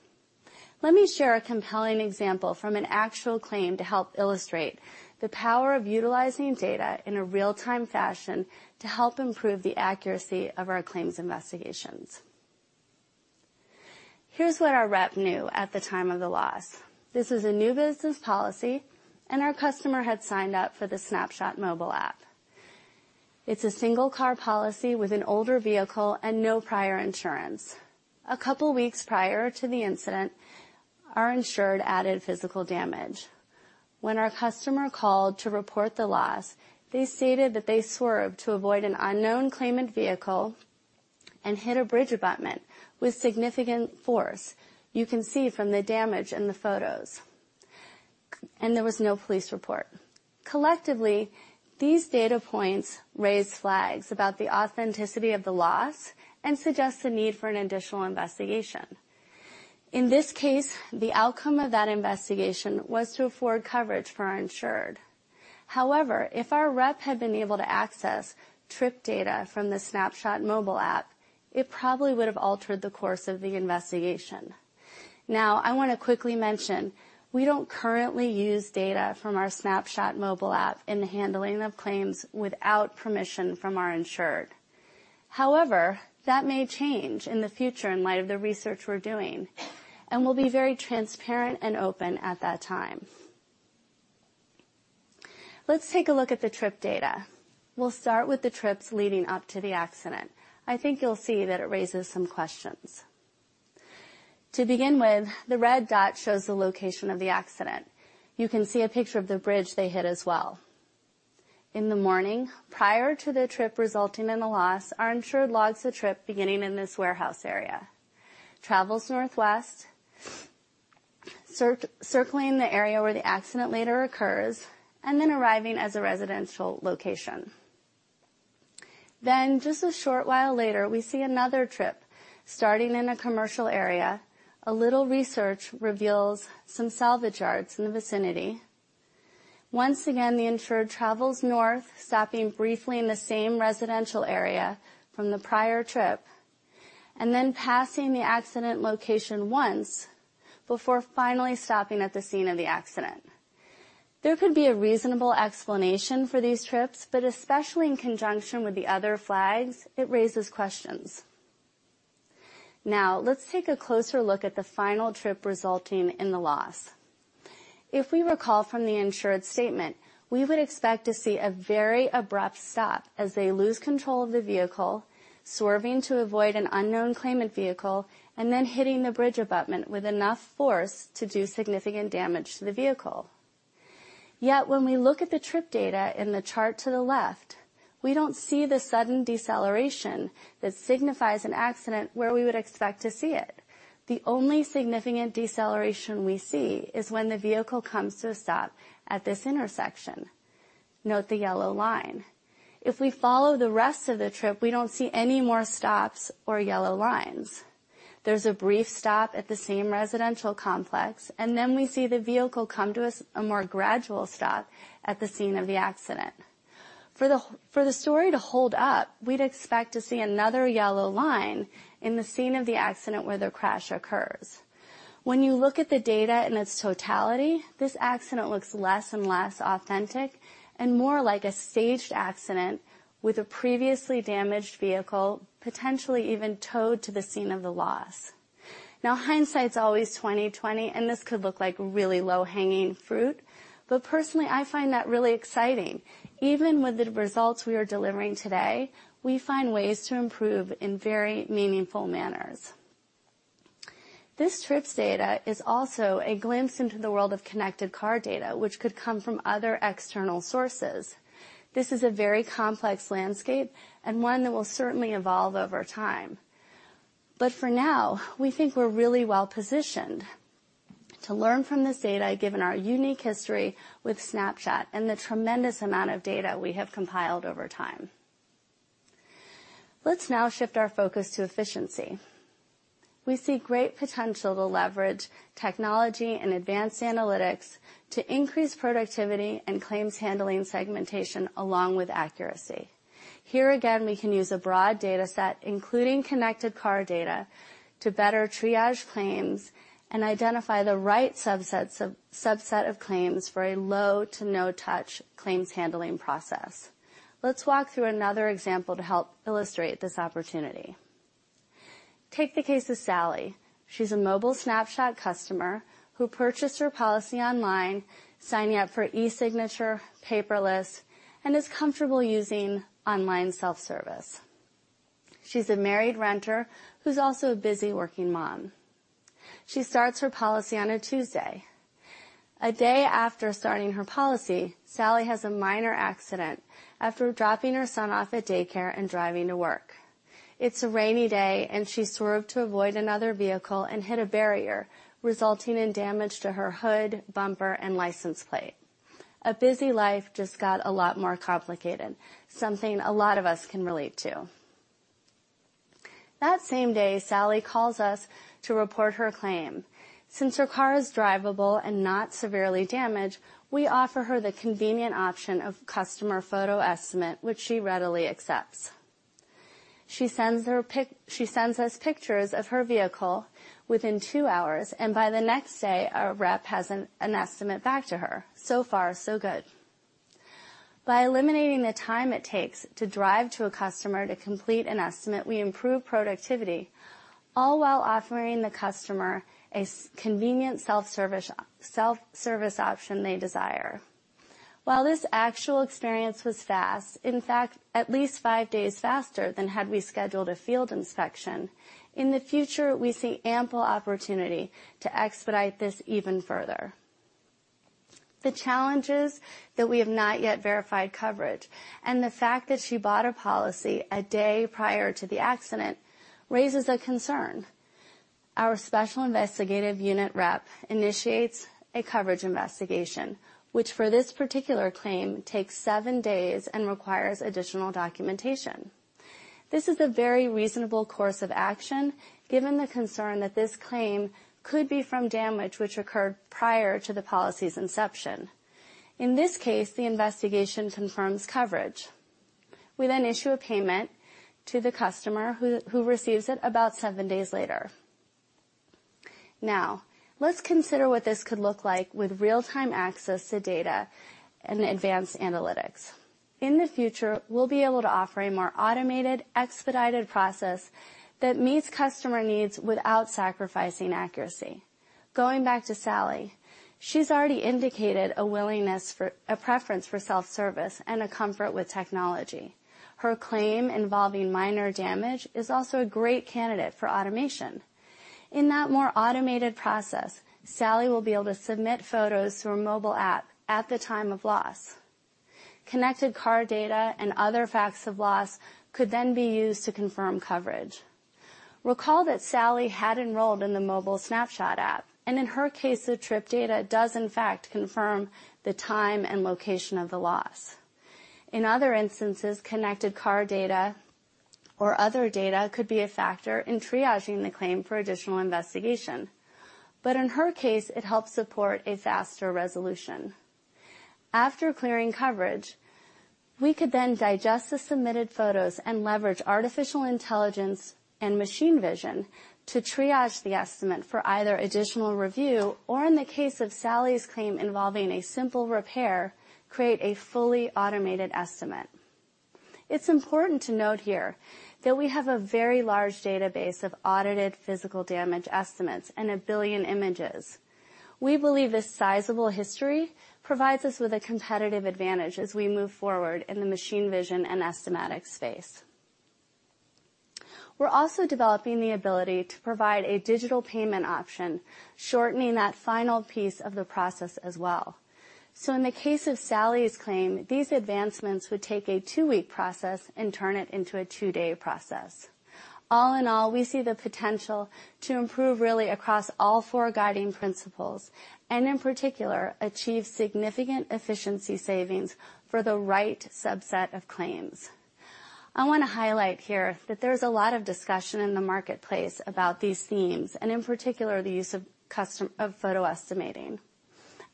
Let me share a compelling example from an actual claim to help illustrate the power of utilizing data in a real-time fashion to help improve the accuracy of our claims investigations. Here's what our rep knew at the time of the loss. This is a new business policy, and our customer had signed up for the Snapshot mobile app. It's a single-car policy with an older vehicle and no prior insurance. A couple of weeks prior to the incident, our insured added physical damage. When our customer called to report the loss, they stated that they swerved to avoid an unknown claimant vehicle and hit a bridge abutment with significant force. You can see from the damage in the photos. There was no police report. Collectively, these data points raise flags about the authenticity of the loss and suggest the need for an additional investigation. In this case, the outcome of that investigation was to afford coverage for our insured. However, if our rep had been able to access trip data from the Snapshot mobile app, it probably would have altered the course of the investigation. Now, I want to quickly mention, we don't currently use data from our Snapshot mobile app in the handling of claims without permission from our insured. However, that may change in the future in light of the research we're doing, and we'll be very transparent and open at that time. Let's take a look at the trip data. We'll start with the trips leading up to the accident. I think you'll see that it raises some questions. To begin with, the red dot shows the location of the accident. You can see a picture of the bridge they hit as well. In the morning, prior to the trip resulting in the loss, our insured logs the trip beginning in this warehouse area, travels northwest, circling the area where the accident later occurs, and then arriving as a residential location. Just a short while later, we see another trip starting in a commercial area. A little research reveals some salvage yards in the vicinity. Once again, the insured travels north, stopping briefly in the same residential area from the prior trip, and then passing the accident location once before finally stopping at the scene of the accident. There could be a reasonable explanation for these trips, but especially in conjunction with the other flags, it raises questions. Now, let's take a closer look at the final trip resulting in the loss. If we recall from the insured's statement, we would expect to see a very abrupt stop as they lose control of the vehicle, swerving to avoid an unknown claimant vehicle, and then hitting the bridge abutment with enough force to do significant damage to the vehicle. Yet when we look at the trip data in the chart to the left, we don't see the sudden deceleration that signifies an accident where we would expect to see it. The only significant deceleration we see is when the vehicle comes to a stop at this intersection. Note the yellow line. If we follow the rest of the trip, we don't see any more stops or yellow lines. There's a brief stop at the same residential complex. Then we see the vehicle come to a more gradual stop at the scene of the accident. For the story to hold up, we'd expect to see another yellow line in the scene of the accident where the crash occurs. When you look at the data in its totality, this accident looks less and less authentic and more like a staged accident with a previously damaged vehicle, potentially even towed to the scene of the loss. Hindsight's always 20/20. This could look like really low-hanging fruit, but personally, I find that really exciting. Even with the results we are delivering today, we find ways to improve in very meaningful manners. This trip's data is also a glimpse into the world of connected car data, which could come from other external sources. This is a very complex landscape and one that will certainly evolve over time. For now, we think we're really well-positioned to learn from this data, given our unique history with Snapshot and the tremendous amount of data we have compiled over time. Let's now shift our focus to efficiency. We see great potential to leverage technology and advanced analytics to increase productivity and claims handling segmentation along with accuracy. Here again, we can use a broad dataset, including connected car data, to better triage claims and identify the right subset of claims for a low to no-touch claims handling process. Let's walk through another example to help illustrate this opportunity. Take the case of Sally. She's a mobile Snapshot customer who purchased her policy online, signing up for e-sign, paperless, and is comfortable using online self-service. She's a married renter who's also a busy working mom. She starts her policy on a Tuesday. A day after starting her policy, Sally has a minor accident after dropping her son off at daycare and driving to work. It's a rainy day. She swerved to avoid another vehicle and hit a barrier, resulting in damage to her hood, bumper, and license plate. A busy life just got a lot more complicated, something a lot of us can relate to. That same day, Sally calls us to report her claim. Since her car is drivable and not severely damaged, we offer her the convenient option of customer photo estimate, which she readily accepts. She sends us pictures of her vehicle within two hours. By the next day, our rep has an estimate back to her. So far, so good. By eliminating the time it takes to drive to a customer to complete an estimate, we improve productivity, all while offering the customer a convenient self-service option they desire. While this actual experience was fast, in fact, at least five days faster than had we scheduled a field inspection, in the future, we see ample opportunity to expedite this even further. The challenge is that we have not yet verified coverage. The fact that she bought her policy a day prior to the accident raises a concern. Our special investigative unit rep initiates a coverage investigation, which for this particular claim takes seven days and requires additional documentation. This is a very reasonable course of action given the concern that this claim could be from damage which occurred prior to the policy's inception. In this case, the investigation confirms coverage. We issue a payment to the customer who receives it about seven days later. Let's consider what this could look like with real-time access to data and advanced analytics. In the future, we'll be able to offer a more automated, expedited process that meets customer needs without sacrificing accuracy. Going back to Sally, she's already indicated a preference for self-service and a comfort with technology. Her claim involving minor damage is also a great candidate for automation. In that more automated process, Sally will be able to submit photos through a mobile app at the time of loss. Connected car data and other facts of loss could then be used to confirm coverage. Recall that Sally had enrolled in the mobile Snapshot app. In her case, the trip data does in fact confirm the time and location of the loss. In other instances, connected car data or other data could be a factor in triaging the claim for additional investigation. In her case, it helped support a faster resolution. After clearing coverage, we could then digest the submitted photos and leverage artificial intelligence and machine vision to triage the estimate for either additional review, or in the case of Sally's claim involving a simple repair, create a fully automated estimate. It's important to note here that we have a very large database of audited physical damage estimates and 1 billion images. We believe this sizable history provides us with a competitive advantage as we move forward in the machine vision and estimatics space. We're also developing the ability to provide a digital payment option, shortening that final piece of the process as well. In the case of Sally's claim, these advancements would take a two-week process and turn it into a two-day process. All in all, we see the potential to improve really across all four guiding principles, and in particular, achieve significant efficiency savings for the right subset of claims. I want to highlight here that there's a lot of discussion in the marketplace about these themes, and in particular, the use of photo estimating.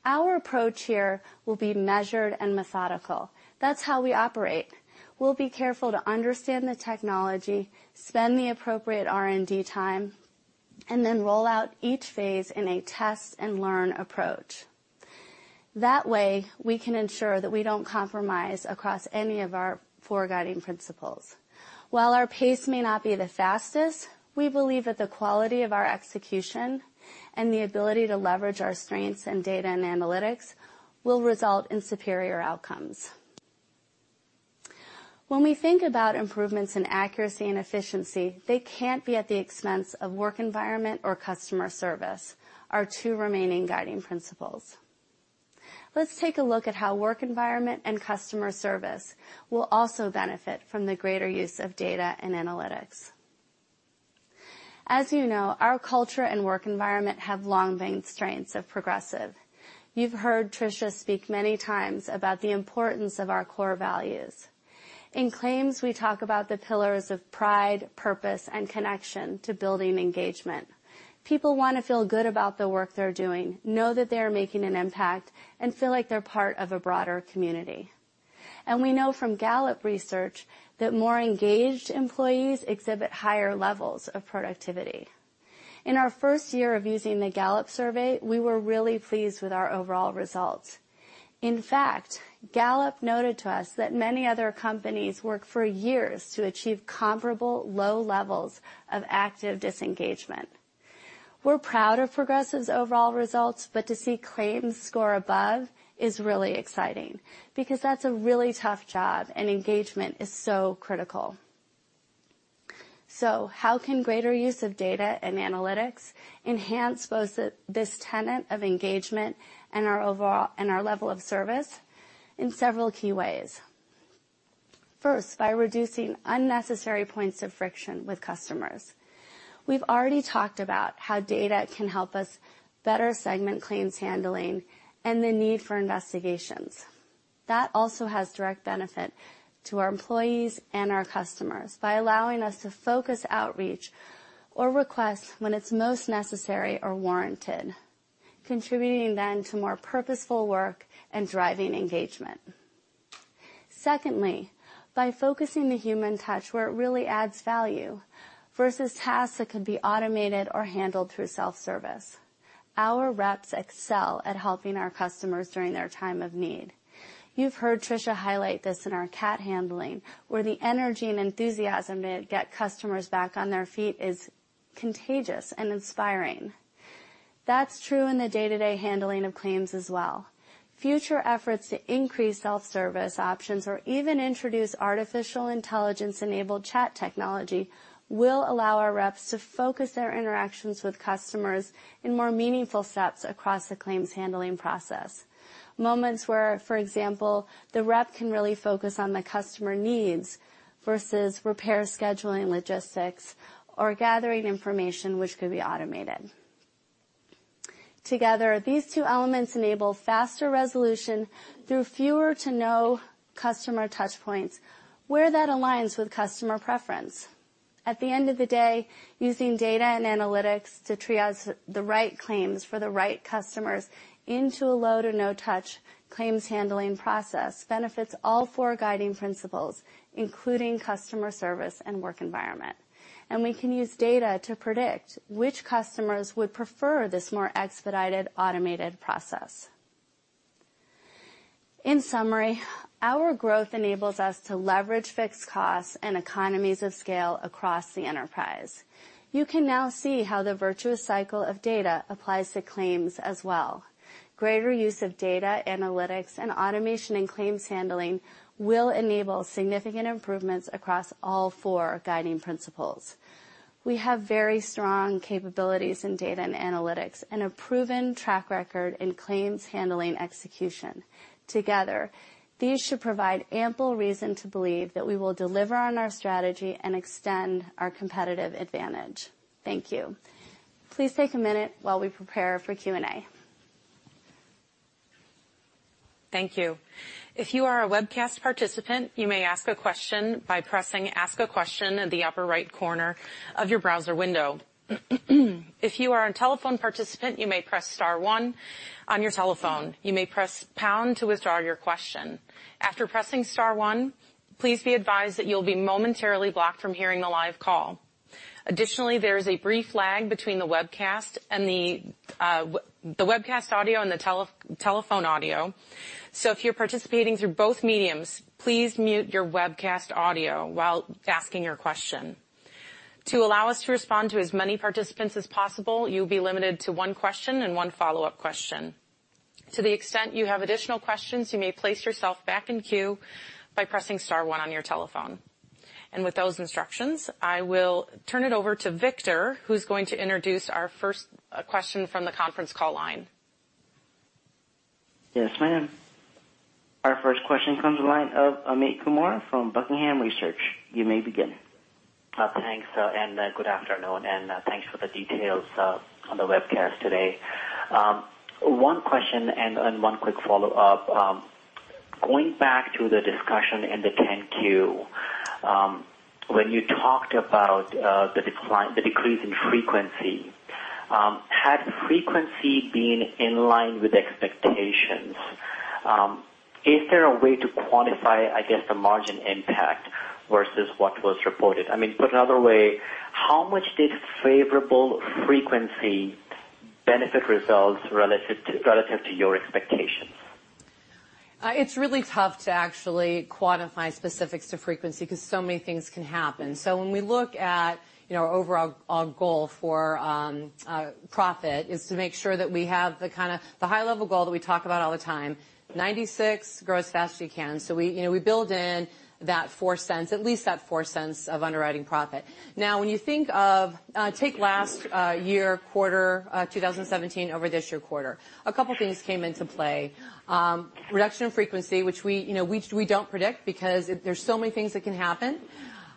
Our approach here will be measured and methodical. That's how we operate. We'll be careful to understand the technology, spend the appropriate R&D time, roll out each phase in a test-and-learn approach. That way, we can ensure that we don't compromise across any of our four guiding principles. While our pace may not be the fastest, we believe that the quality of our execution and the ability to leverage our strengths in data and analytics will result in superior outcomes. When we think about improvements in accuracy and efficiency, they can't be at the expense of work environment or customer service, our two remaining guiding principles. Let's take a look at how work environment and customer service will also benefit from the greater use of data and analytics. As you know, our culture and work environment have long been strengths of Progressive. You've heard Tricia speak many times about the importance of our core values. In claims, we talk about the pillars of pride, purpose, and connection to building engagement. People want to feel good about the work they're doing, know that they are making an impact, and feel like they're part of a broader community. We know from Gallup research that more engaged employees exhibit higher levels of productivity. In our first year of using the Gallup survey, we were really pleased with our overall results. In fact, Gallup noted to us that many other companies work for years to achieve comparable low levels of active disengagement. We're proud of Progressive's overall results, but to see claims score above is really exciting because that's a really tough job and engagement is so critical. How can greater use of data and analytics enhance both this tenet of engagement and our level of service? In several key ways. First, by reducing unnecessary points of friction with customers. We've already talked about how data can help us better segment claims handling and the need for investigations. That also has direct benefit to our employees and our customers by allowing us to focus outreach or requests when it's most necessary or warranted. Contributing then to more purposeful work and driving engagement. Secondly, by focusing the human touch where it really adds value versus tasks that could be automated or handled through self-service. Our reps excel at helping our customers during their time of need. You've heard Tricia highlight this in our CAT handling, where the energy and enthusiasm to get customers back on their feet is contagious and inspiring. That's true in the day-to-day handling of claims as well. Future efforts to increase self-service options or even introduce artificial intelligence-enabled chat technology will allow our reps to focus their interactions with customers in more meaningful steps across the claims handling process. Moments where, for example, the rep can really focus on the customer needs versus repair scheduling logistics or gathering information which could be automated. Together, these two elements enable faster resolution through fewer to no customer touch points where that aligns with customer preference. At the end of the day, using data and analytics to triage the right claims for the right customers into a low to no-touch claims handling process benefits all four guiding principles, including customer service and work environment. We can use data to predict which customers would prefer this more expedited, automated process. In summary, our growth enables us to leverage fixed costs and economies of scale across the enterprise. You can now see how the virtuous cycle of data applies to claims as well. Greater use of data analytics and automation in claims handling will enable significant improvements across all four guiding principles. We have very strong capabilities in data and analytics and a proven track record in claims handling execution. Together, these should provide ample reason to believe that we will deliver on our strategy and extend our competitive advantage. Thank you. Please take a minute while we prepare for Q&A. Thank you. If you are a webcast participant, you may ask a question by pressing "ask a question" in the upper right corner of your browser window. If you are a telephone participant, you may press star one on your telephone. You may press pound to withdraw your question. After pressing star one, please be advised that you'll be momentarily blocked from hearing the live call. Additionally, there is a brief lag between the webcast audio and the telephone audio. If you're participating through both mediums, please mute your webcast audio while asking your question. To allow us to respond to as many participants as possible, you'll be limited to one question and one follow-up question. To the extent you have additional questions, you may place yourself back in queue by pressing star one on your telephone. With those instructions, I will turn it over to Victor, who's going to introduce our first question from the conference call line. Yes, ma'am. Our first question comes the line of Amit Kumar from Buckingham Research. You may begin. Thanks, good afternoon, and thanks for the details on the webcast today. One question and one quick follow-up. Going back to the discussion in the 10Q, when you talked about the decrease in frequency, had frequency been in line with expectations? Is there a way to quantify, I guess, the margin impact versus what was reported? I mean, put another way, how much did favorable frequency benefit results relative to your expectations? It's really tough to actually quantify specifics to frequency because so many things can happen. When we look at our overall goal for profit is to make sure that we have the high-level goal that we talk about all the time, 96%, grow as fast as you can. We build in that $0.04, at least that $0.04 of underwriting profit. Now, when you think of, take last year quarter 2017 over this year quarter, a couple things came into play. Reduction in frequency, which we don't predict because there's so many things that can happen.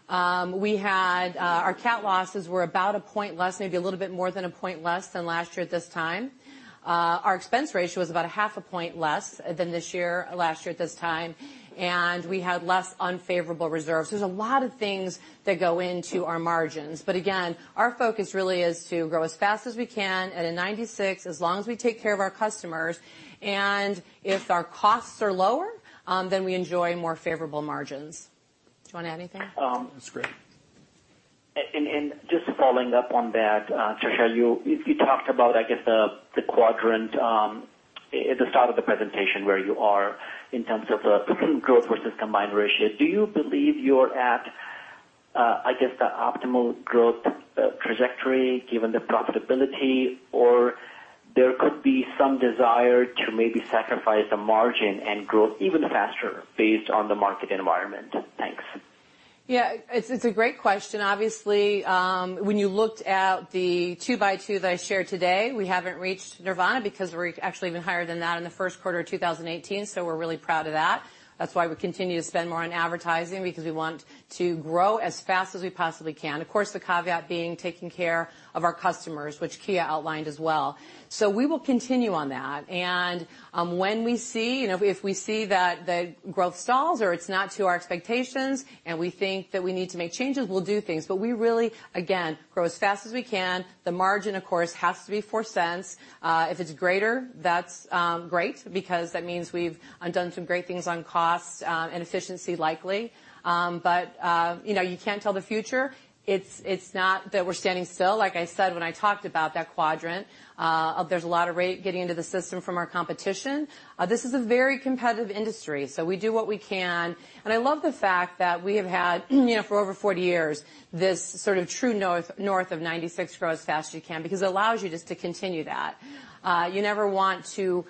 Our cat losses were about a point less, maybe a little bit more than a point less than last year at this time. Our expense ratio was about a half a point less than last year at this time. We had less unfavorable reserves. There's a lot of things that go into our margins. Again, our focus really is to grow as fast as we can at a 96% as long as we take care of our customers, and if our costs are lower, then we enjoy more favorable margins. Do you want to add anything? That's great. Just following up on that, Tricia, you talked about, I guess, the quadrant at the start of the presentation where you are in terms of growth versus combined ratio. Do you believe you're at, I guess, the optimal growth trajectory given the profitability, or there could be some desire to maybe sacrifice the margin and grow even faster based on the market environment? Thanks. It's a great question. Obviously, when you looked at the two by two that I shared today, we haven't reached nirvana because we're actually even higher than that in the first quarter of 2018. We're really proud of that. That's why we continue to spend more on advertising, because we want to grow as fast as we possibly can. Of course, the caveat being taking care of our customers, which Kia outlined as well. We will continue on that. If we see that the growth stalls or it's not to our expectations, and we think that we need to make changes, we'll do things. We really, again, grow as fast as we can. The margin, of course, has to be $0.04. If it's greater, that's great, because that means we've done some great things on cost, and efficiency likely. You can't tell the future. It's not that we're standing still. Like I said, when I talked about that quadrant, there's a lot of rate getting into the system from our competition. This is a very competitive industry, so we do what we can, and I love the fact that we have had for over 40 years, this sort of true north of 96 grow as fast as you can, because it allows you just to continue that. You never want to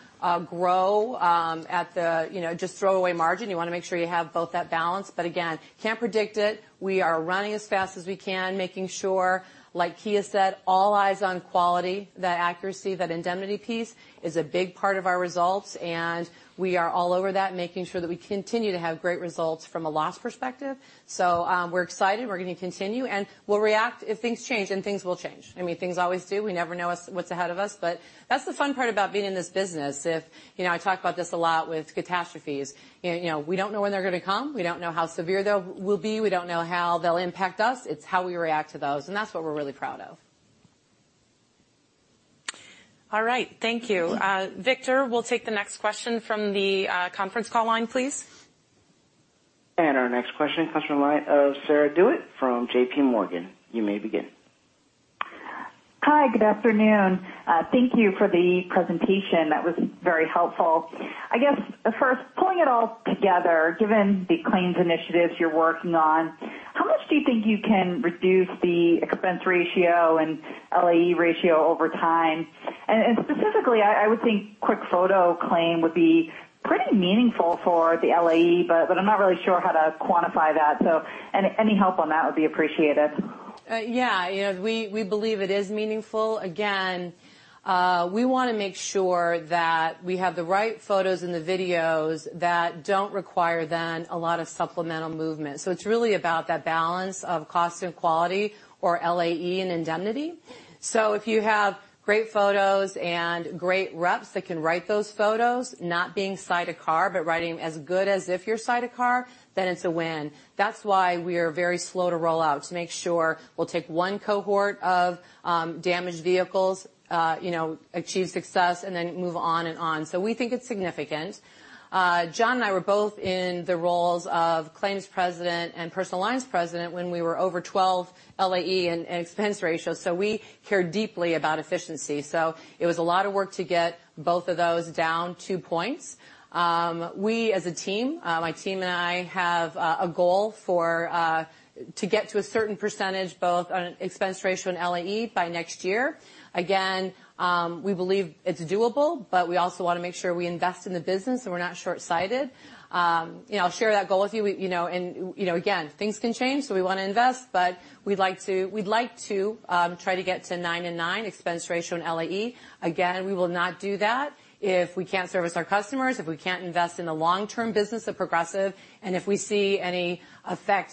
grow at the just throw away margin. You want to make sure you have both that balance. Again, can't predict it. We are running as fast as we can, making sure, like Kia said, all eyes on quality, that accuracy, that indemnity piece is a big part of our results, and we are all over that, making sure that we continue to have great results from a loss perspective. We're excited. We're going to continue, and we'll react if things change and things will change. I mean, things always do. We never know what's ahead of us, but that's the fun part about being in this business. I talk about this a lot with catastrophes. We don't know when they're going to come. We don't know how severe they will be. We don't know how they'll impact us. It's how we react to those, and that's what we're really proud of. All right. Thank you. Victor, we'll take the next question from the conference call line, please. Our next question comes from the line of Sarah DeWitt from J.P. Morgan. You may begin. Hi. Good afternoon. Thank you for the presentation. That was very helpful. Pulling it all together, given the claims initiatives you are working on, how much do you think you can reduce the expense ratio and LAE ratio over time? Specifically, I would think quick photo claim would be pretty meaningful for the LAE, but I am not really sure how to quantify that. Any help on that would be appreciated. We believe it is meaningful. We want to make sure that we have the right photos and the videos that do not require then a lot of supplemental movement. It is really about that balance of cost and quality or LAE and indemnity. If you have great photos and great reps that can write those photos, not being sight of car, but writing as good as if you are sight of car, then it is a win. That is why we are very slow to roll out to make sure we will take one cohort of damaged vehicles, achieve success, and then move on and on. We think it is significant. John and I were both in the roles of claims president and personal lines president when we were over 12 LAE in expense ratio. We care deeply about efficiency. It was a lot of work to get both of those down two points. We as a team, my team and I have a goal to get to a certain percentage both on expense ratio and LAE by next year. We believe it is doable, but we also want to make sure we invest in the business and we are not short-sighted. I will share that goal with you, and things can change, we want to invest, but we would like to try to get to nine and nine expense ratio and LAE. We will not do that if we cannot service our customers, if we cannot invest in the long-term business of Progressive, and if we see any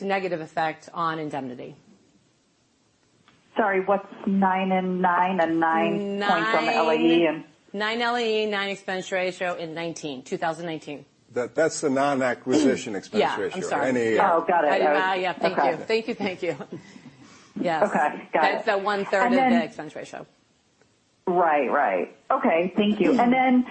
negative effect on indemnity. Sorry, what's nine and nine and nine points on the LAE and? Nine LAE, nine expense ratio in 2019. That's the Non-Acquisition Expense Ratio. Yeah. I'm sorry. Oh, got it. Yeah. Thank you. Okay. Got it. That's the one-third of the expense ratio. Right. Okay. Thank you. Secondly,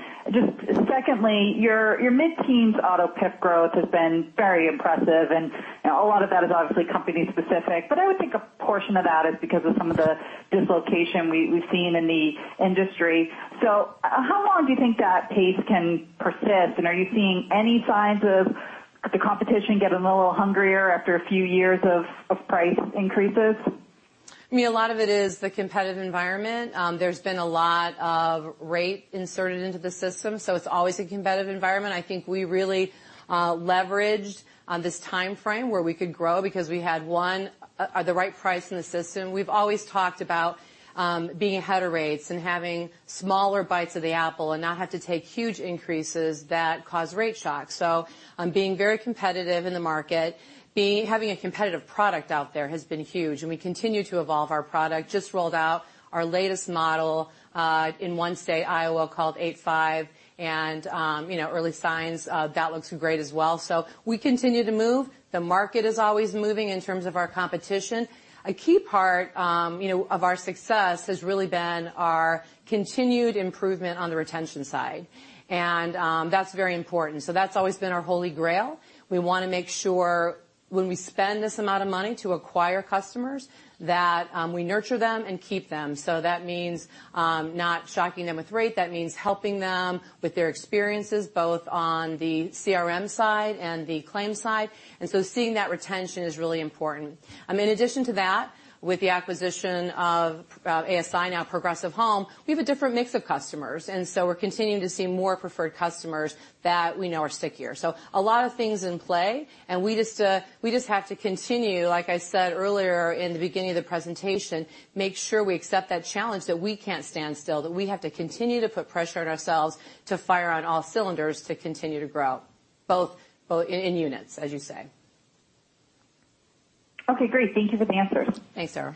your mid-teens auto PIF growth has been very impressive, and a lot of that is obviously company specific, but I would think a portion of that is because of some of the dislocation we've seen in the industry. How long do you think that pace can persist? Are you seeing any signs of the competition getting a little hungrier after a few years of price increases? I mean, a lot of it is the competitive environment. There's been a lot of rate inserted into the system, it's always a competitive environment. I think we really leveraged on this timeframe where we could grow because we had the right price in the system. We've always talked about being ahead of rates and having smaller bites of the apple and not have to take huge increases that cause rate shock. I'm being very competitive in the market. Having a competitive product out there has been huge, and we continue to evolve our product. Just rolled out our latest model in one state, Iowa called 8.5, and early signs that looks great as well. We continue to move. The market is always moving in terms of our competition. A key part of our success has really been our continued improvement on the retention side, that's very important. That's always been our Holy Grail. We want to make sure when we spend this amount of money to acquire customers, that we nurture them and keep them. That means not shocking them with rate, that means helping them with their experiences, both on the CRM side and the claims side. Seeing that retention is really important. In addition to that, with the acquisition of ASI, now Progressive Home, we have a different mix of customers, we're continuing to see more preferred customers that we know are stickier. A lot of things in play, we just have to continue, like I said earlier in the beginning of the presentation, make sure we accept that challenge, that we can't stand still, that we have to continue to put pressure on ourselves to fire on all cylinders to continue to grow, both in units, as you say. Okay, great. Thank you for the answers. Thanks, Sarah.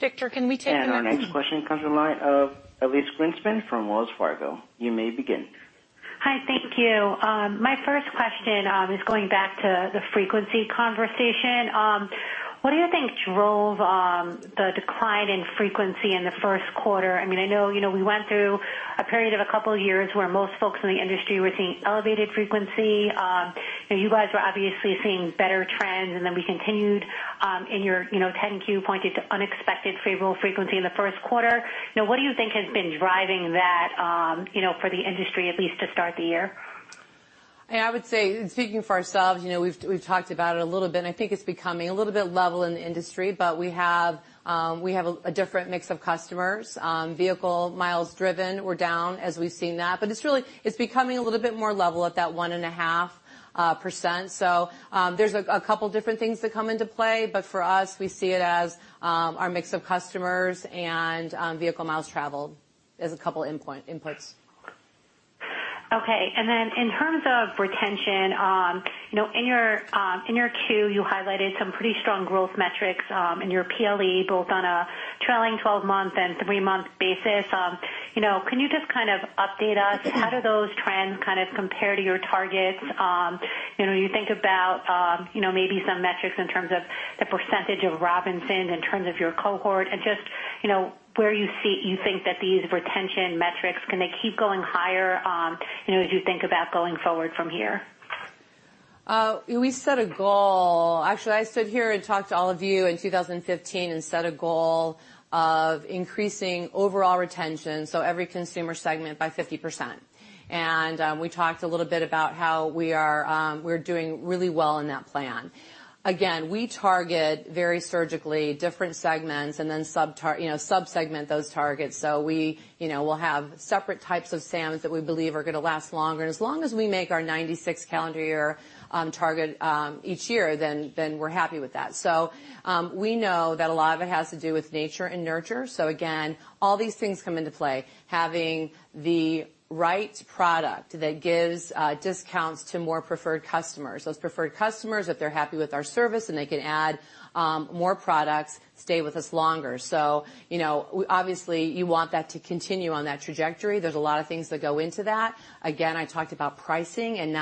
Victor, can we take the next Our next question comes from the line of Elyse Greenspan from Wells Fargo. You may begin. Hi, thank you. My first question is going back to the frequency conversation. What do you think drove the decline in frequency in the first quarter? I know we went through a period of a couple of years where most folks in the industry were seeing elevated frequency. You guys were obviously seeing better trends. We continued in your 10-Q pointed to unexpected favorable frequency in the first quarter. What do you think has been driving that for the industry at least to start the year? I would say, speaking for ourselves, we've talked about it a little bit. I think it's becoming a little bit level in the industry, but we have a different mix of customers. Vehicle miles driven, we're down as we've seen that. It's becoming a little bit more level at that 1.5%. There's a couple of different things that come into play, but for us, we see it as our mix of customers and vehicle miles traveled as a couple inputs. Okay. In terms of retention, in your Q, you highlighted some pretty strong growth metrics in your PL, both on a trailing 12-month and three-month basis. Can you just update us? How do those trends compare to your targets? You think about maybe some metrics in terms of the percentage of Robinsons in terms of your cohort and just where you think that these retention metrics, can they keep going higher, as you think about going forward from here? We set a goal. Actually, I stood here and talked to all of you in 2015. I set a goal of increasing overall retention, every consumer segment by 50%. We talked a little bit about how we're doing really well in that plan. Again, we target very surgically different segments. We then sub-segment those targets. We'll have separate types of SAMs that we believe are going to last longer. As long as we make our 96 calendar year target each year, we're happy with that. We know that a lot of it has to do with nature and nurture. Again, all these things come into play. Having the right product that gives discounts to more preferred customers. Those preferred customers, if they're happy with our service and they can add more products, stay with us longer. Obviously you want that to continue on that trajectory. There's a lot of things that go into that. Again, I talked about pricing and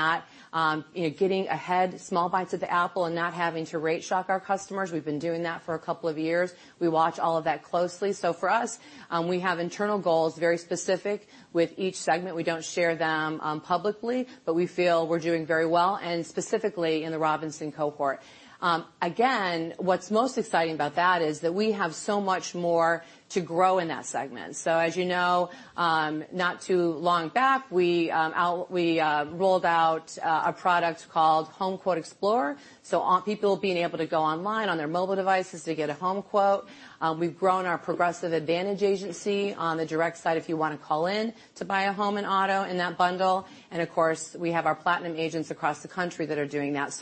getting ahead small bites of the apple and not having to rate shock our customers. We've been doing that for a couple of years. We watch all of that closely. For us, we have internal goals, very specific with each segment. We don't share them publicly, but we feel we're doing very well and specifically in the Robinson cohort. Again, what's most exciting about that is that we have so much more to grow in that segment. As you know, not too long back, we rolled out a product called HomeQuote Explorer. People being able to go online on their mobile devices to get a home quote. We've grown our Progressive Advantage Agency on the direct side if you want to call in to buy a home and auto in that bundle. Of course, we have our platinum agents across the country that are doing that.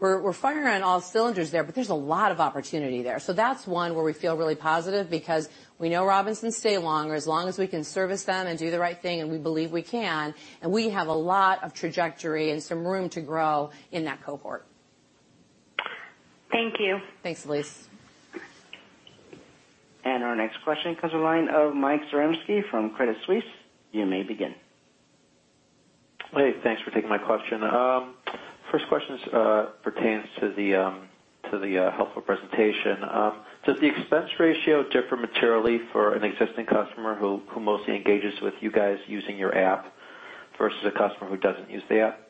We're firing on all cylinders there, but there's a lot of opportunity there. That's one where we feel really positive because we know Robinsons stay longer as long as we can service them and do the right thing, and we believe we can, and we have a lot of trajectory and some room to grow in that cohort. Thank you. Thanks, Elyse. Our next question comes from the line of Mike Zaremski from Credit Suisse. You may begin. Hey, thanks for taking my question. First question pertains to the helpful presentation. Does the expense ratio differ materially for an existing customer who mostly engages with you guys using your app versus a customer who doesn't use the app?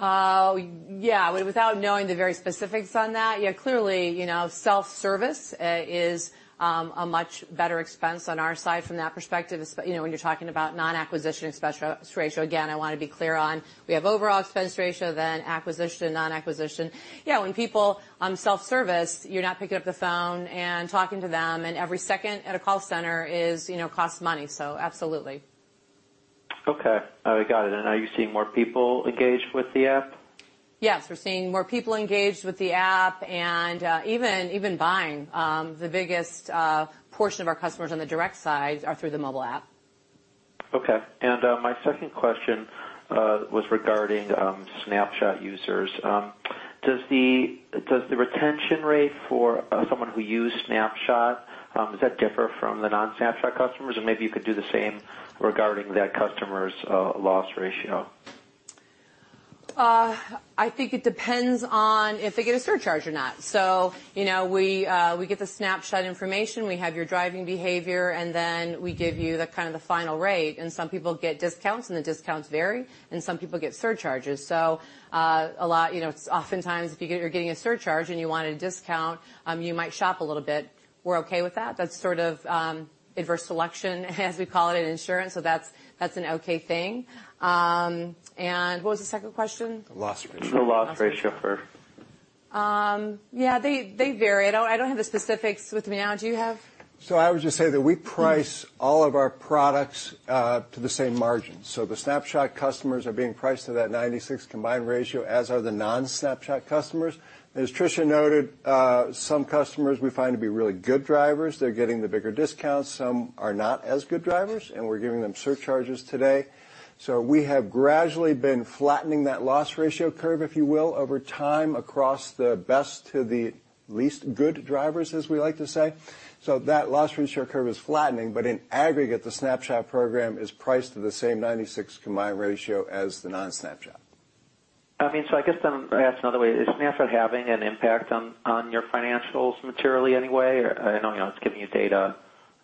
Yeah. Without knowing the very specifics on that, clearly self-service is a much better expense on our side from that perspective, when you're talking about Non-Acquisition Expense Ratio. Again, I want to be clear on we have overall expense ratio, then acquisition, non-acquisition. Yeah, when people self-service, you're not picking up the phone and talking to them and every second at a call center costs money. Absolutely. Okay. Got it. Are you seeing more people engaged with the app? Yes, we're seeing more people engaged with the app and even buying. The biggest portion of our customers on the direct side are through the mobile app. Okay. My second question was regarding Snapshot users. Does the retention rate for someone who used Snapshot differ from the non-Snapshot customers? Maybe you could do the same regarding that customer's loss ratio. I think it depends on if they get a surcharge or not. We get the Snapshot information, we have your driving behavior, and then we give you the final rate, and some people get discounts, and the discounts vary, and some people get surcharges. Oftentimes, if you're getting a surcharge and you want a discount, you might shop a little bit. We're okay with that. That's sort of adverse selection as we call it in insurance. That's an okay thing. What was the second question? Loss ratio. The loss ratio curve. Yeah, they vary. I don't have the specifics with me now. Do you have? I would just say that we price all of our products to the same margin. The Snapshot customers are being priced to that 96 combined ratio, as are the non-Snapshot customers. As Tricia noted, some customers we find to be really good drivers, they're getting the bigger discounts. Some are not as good drivers, and we're giving them surcharges today. We have gradually been flattening that loss ratio curve, if you will, over time across the best to the least good drivers, as we like to say. That loss ratio curve is flattening. In aggregate, the Snapshot program is priced to the same 96 combined ratio as the non-Snapshot. I mean, I guess I'll ask another way. Is Snapshot having an impact on your financials materially in any way? I know it's giving you data,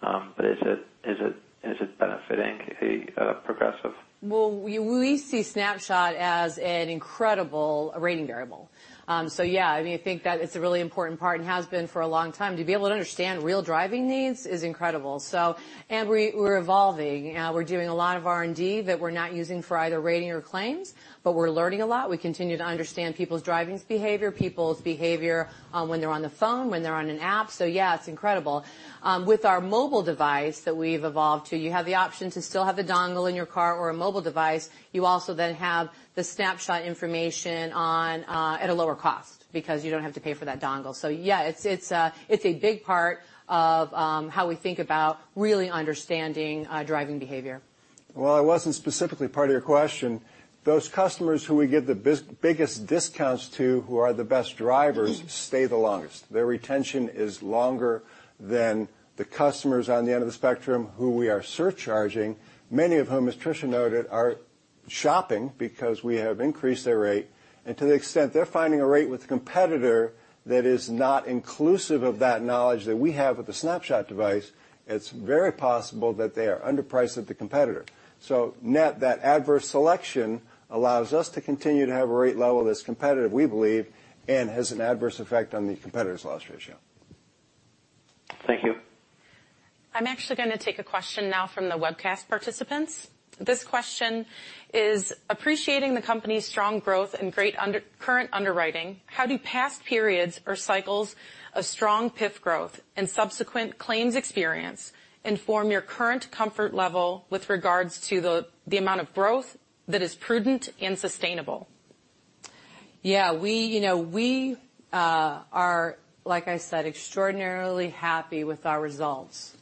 but is it benefiting Progressive? Well, we see Snapshot as an incredible rating variable. Yeah, I think that it's a really important part and has been for a long time. To be able to understand real driving needs is incredible. We're evolving. We're doing a lot of R&D that we're not using for either rating or claims, but we're learning a lot. We continue to understand people's driving behavior, people's behavior when they're on the phone, when they're on an app. Yeah, it's incredible. With our mobile device that we've evolved to, you have the option to still have the dongle in your car or a mobile device. You also have the Snapshot information at a lower cost because you don't have to pay for that dongle. Yeah, it's a big part of how we think about really understanding driving behavior. Well, it wasn't specifically part of your question. Those customers who we give the biggest discounts to who are the best drivers stay the longest. Their retention is longer than the customers on the end of the spectrum who we are surcharging, many of whom, as Tricia noted, are shopping because we have increased their rate. To the extent they're finding a rate with a competitor that is not inclusive of that knowledge that we have with the Snapshot device, it's very possible that they are underpriced at the competitor. Net, that adverse selection allows us to continue to have a rate level that's competitive, we believe, and has an adverse effect on the competitor's loss ratio. Thank you. I'm actually going to take a question now from the webcast participants. This question is, appreciating the company's strong growth and great current underwriting, how do past periods or cycles of strong PIF growth and subsequent claims experience inform your current comfort level with regards to the amount of growth that is prudent and sustainable? Yeah. We are, like I said, extraordinarily happy with our results.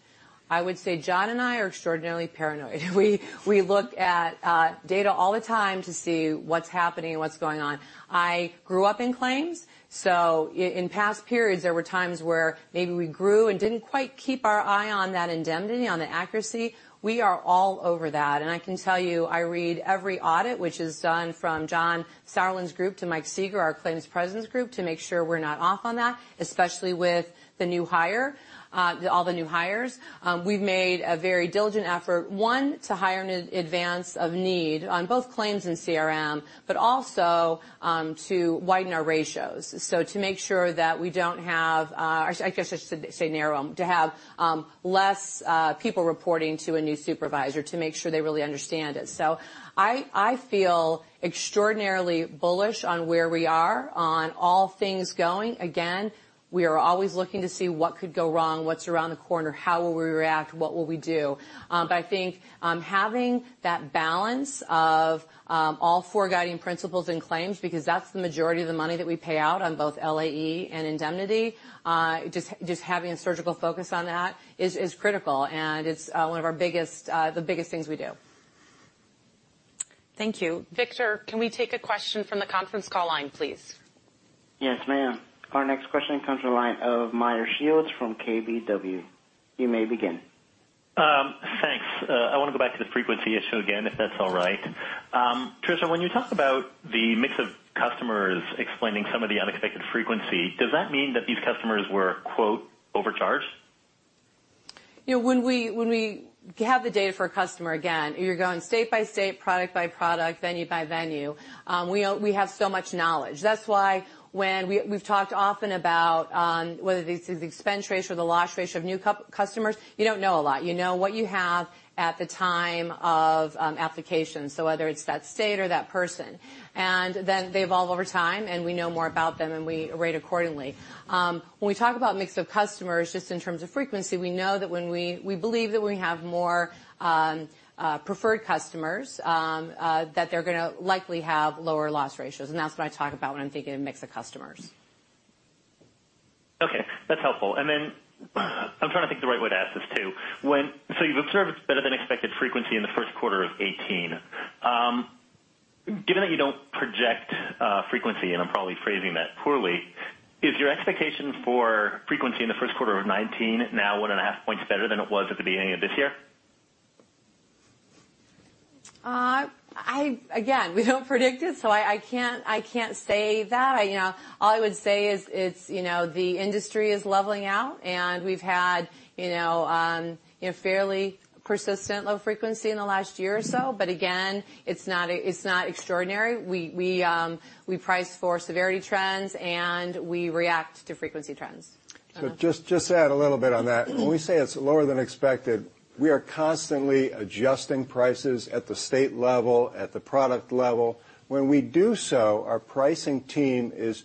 I would say John and I are extraordinarily paranoid. We look at data all the time to see what's happening and what's going on. I grew up in claims, so in past periods, there were times where maybe we grew and didn't quite keep our eye on that indemnity, on the accuracy. We are all over that, and I can tell you, I read every audit which is done from John Sauerland's group to Michael Sieger, our President of Claims' group, to make sure we're not off on that, especially with all the new hires. We've made a very diligent effort, one, to hire in advance of need on both claims and CRM, but also to widen our ratios. To make sure that we don't have, I guess I should say narrow them, to have less people reporting to a new supervisor to make sure they really understand it. I feel extraordinarily bullish on where we are on all things going. Again, we are always looking to see what could go wrong, what's around the corner, how will we react, what will we do. I think having that balance of all four guiding principles in claims, because that's the majority of the money that we pay out on both LAE and indemnity, just having a surgical focus on that is critical, and it's one of the biggest things we do. Thank you. Victor, can we take a question from the conference call line, please? Yes, ma'am. Our next question comes from the line of Meyer Shields from KBW. You may begin. Thanks. I want to go back to the frequency issue again, if that's all right. Tricia, when you talk about the mix of customers explaining some of the unexpected frequency, does that mean that these customers were, quote, "overcharged"? When we have the data for a customer, again, you're going state by state, product by product, venue by venue. We have so much knowledge. That's why when we've talked often about whether this is expense ratio or the loss ratio of new customers, you don't know a lot. You know what you have at the time of application. Whether it's that state or that person. They evolve over time, and we know more about them, and we rate accordingly. When we talk about mix of customers, just in terms of frequency, we know that when we believe that we have more preferred customers, that they're going to likely have lower loss ratios, and that's what I talk about when I'm thinking of mix of customers. Okay, that's helpful. I'm trying to think the right way to ask this too. You've observed better-than-expected frequency in the first quarter of 2018. Given that you don't project frequency, and I'm probably phrasing that poorly, is your expectation for frequency in the first quarter of 2019 now one and a half points better than it was at the beginning of this year? Again, we don't predict it, so I can't say that. All I would say is the industry is leveling out, and we've had fairly persistent low frequency in the last year or so. Again, it's not extraordinary. We price for severity trends, and we react to frequency trends. Just to add a little bit on that. When we say it's lower than expected, we are constantly adjusting prices at the state level, at the product level. When we do so, our pricing team is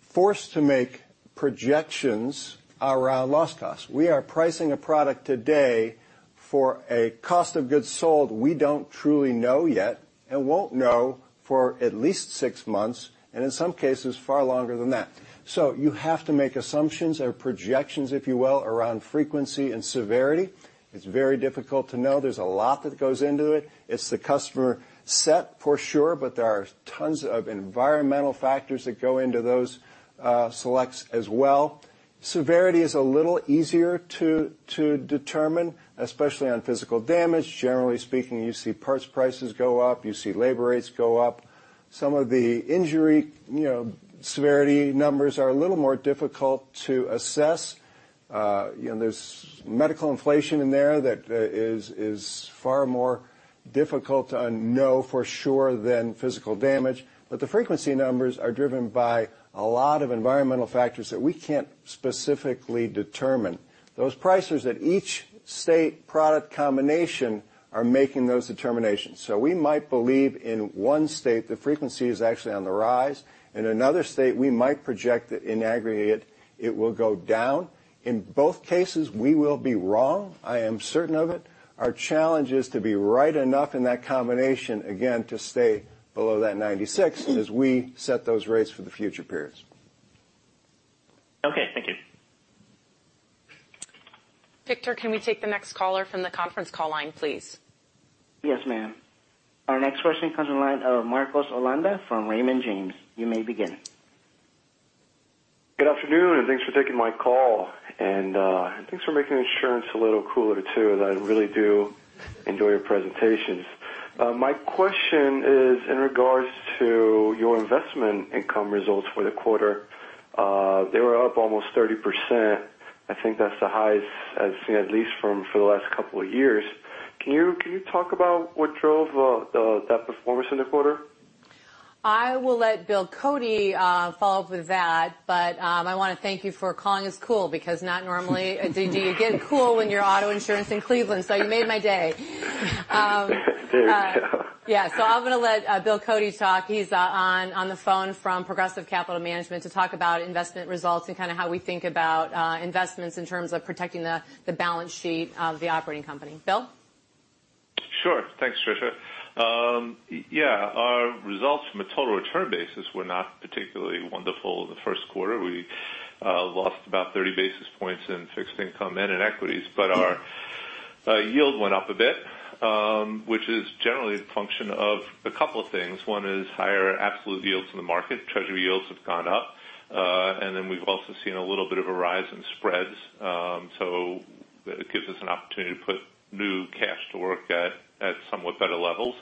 forced to make projections around loss costs. We are pricing a product today for a cost of goods sold we don't truly know yet and won't know for at least six months, and in some cases, far longer than that. You have to make assumptions or projections, if you will, around frequency and severity. It's very difficult to know. There's a lot that goes into it. It's the customer set for sure, but there are tons of environmental factors that go into those selects as well. Severity is a little easier to determine, especially on physical damage. Generally speaking, you see parts prices go up, you see labor rates go up. Some of the injury severity numbers are a little more difficult to assess. There's medical inflation in there that is far more difficult to know for sure than physical damage, the frequency numbers are driven by a lot of environmental factors that we can't specifically determine. Those pricers at each state product combination are making those determinations. We might believe in one state, the frequency is actually on the rise. In another state, we might project that in aggregate, it will go down. In both cases, we will be wrong. I am certain of it. Our challenge is to be right enough in that combination, again, to stay below that 96 as we set those rates for the future periods. Okay, thank you. Victor, can we take the next caller from the conference call line, please? Yes, ma'am. Our next question comes on the line of Marcos Holanda from Raymond James. You may begin. Good afternoon, thanks for taking my call. Thanks for making insurance a little cooler, too, as I really do enjoy your presentations. My question is in regards to your investment income results for the quarter. They were up almost 30%. I think that's the highest I've seen, at least for the last couple of years. Can you talk about what drove that performance in the quarter? I will let Bill Cody follow up with that, but I want to thank you for calling us cool because not normally do you get cool when you're auto insurance in Cleveland, you made my day. Dude. Yeah. I'm going to let Bill Cody talk. He's on the phone from Progressive Capital Management to talk about investment results and how we think about investments in terms of protecting the balance sheet of the operating company. Bill? Sure. Thanks, Tricia. Our results from a total return basis were not particularly wonderful in the first quarter. We lost about 30 basis points in fixed income and in equities, but our yield went up a bit, which is generally a function of a couple things. One is higher absolute yields in the market. Treasury yields have gone up. We've also seen a little bit of a rise in spreads. It gives us an opportunity to put new cash to work at somewhat better levels.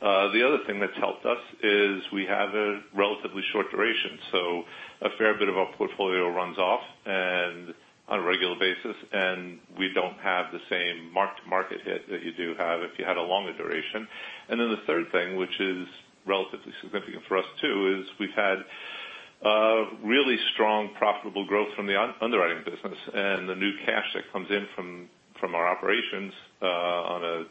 The other thing that's helped us is we have a relatively short duration, so a fair bit of our portfolio runs off on a regular basis, and we don't have the same marked-to-market hit that you do have if you had a longer duration. The third thing, which is relatively significant for us too, is we've had really strong, profitable growth from the underwriting business and the new cash that comes in from our operations on a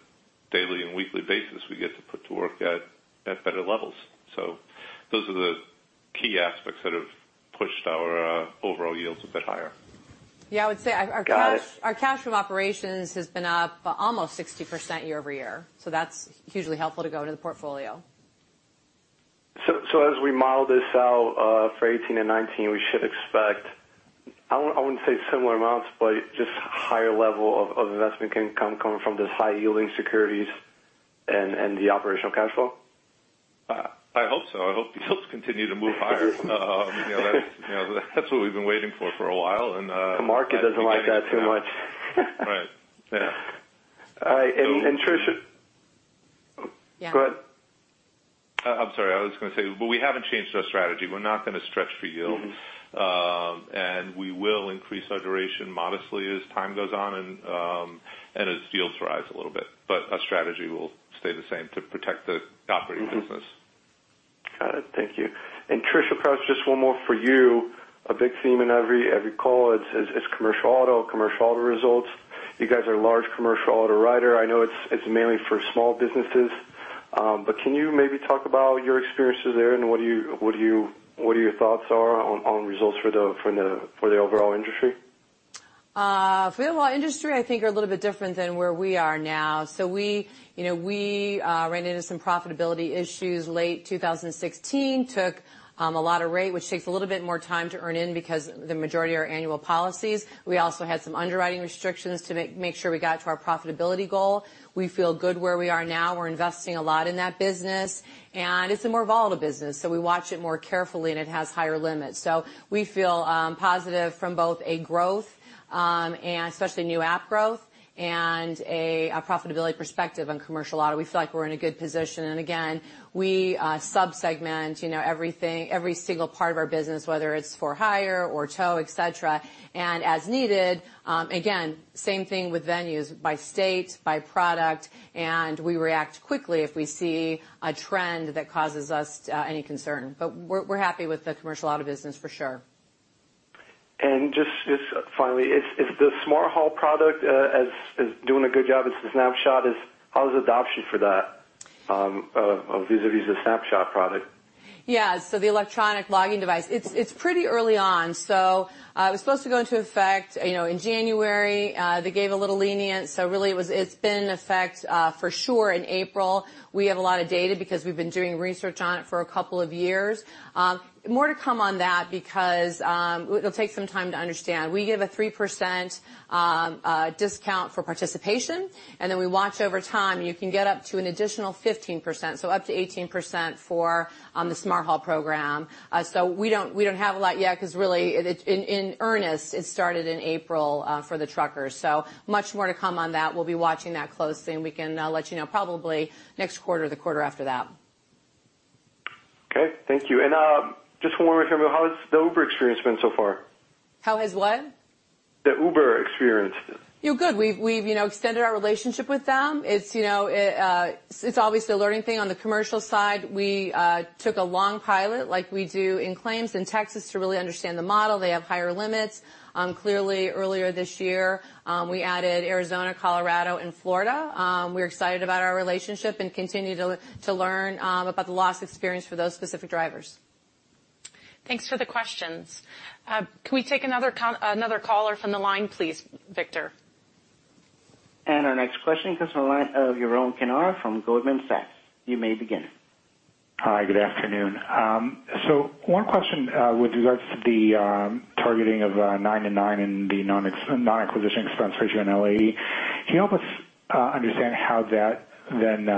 daily and weekly basis, we get to put to work at better levels. Those are the key aspects that have pushed our overall yields a bit higher. I would say our cash from operations has been up almost 60% year-over-year. That's hugely helpful to go into the portfolio. As we model this out for 2018 and 2019, we should expect, I wouldn't say similar amounts, but just higher level of investment income coming from those high-yielding securities and the operational cash flow? I hope so. I hope yields continue to move higher. That's what we've been waiting for for a while. The market doesn't like that too much. Right. Yeah. All right. Yeah. Go ahead. I'm sorry. I was going to say, we haven't changed our strategy. We're not going to stretch for yield. We will increase our duration modestly as time goes on and as yields rise a little bit. Our strategy will stay the same to protect the operating business. Got it. Thank you. Tricia, perhaps just one more for you. A big theme in every call is commercial auto results. You guys are a large commercial auto writer. I know it's mainly for small businesses. Can you maybe talk about your experiences there and what are your thoughts are on results for the overall industry? We ran into some profitability issues late 2016, took a lot of rate, which takes a little bit more time to earn in because the majority are annual policies. We also had some underwriting restrictions to make sure we got to our profitability goal. We feel good where we are now. We're investing a lot in that business, and it's a more volatile business, so we watch it more carefully, and it has higher limits. We feel positive from both a growth And especially new app growth and a profitability perspective on commercial auto. We feel like we're in a good position. Again, we sub-segment every single part of our business, whether it's for hire or tow, et cetera. As needed, again, same thing with venues by state, by product, and we react quickly if we see a trend that causes us any concern. We're happy with the commercial auto business for sure. Just finally, is the Smart Haul product doing a good job into Snapshot? How's adoption for that vis-a-vis the Snapshot product? The electronic logging device. It's pretty early on. It was supposed to go into effect in January. They gave a little lenience, so really it's been in effect for sure in April. We have a lot of data because we've been doing research on it for a couple of years. More to come on that because it'll take some time to understand. We give a 3% discount for participation, and then we watch over time. You can get up to an additional 15%, so up to 18% for the Smart Haul program. We don't have a lot yet because really, in earnest, it started in April for the truckers. Much more to come on that. We'll be watching that closely, and we can let you know probably next quarter or the quarter after that. Okay. Thank you. Just one more thing. How has the Uber experience been so far? How has what? The Uber experience. Good. We've extended our relationship with them. It's obviously a learning thing on the commercial side. We took a long pilot, like we do in claims in Texas to really understand the model. They have higher limits. Clearly earlier this year, we added Arizona, Colorado, and Florida. We're excited about our relationship and continue to learn about the loss experience for those specific drivers. Thanks for the questions. Can we take another caller from the line, please, Victor? Our next question comes from the line of Yaron Kinar from Goldman Sachs. You may begin. Hi, good afternoon. One question with regards to the targeting of nine and nine in the NAER in LAE. Can you help us understand how that then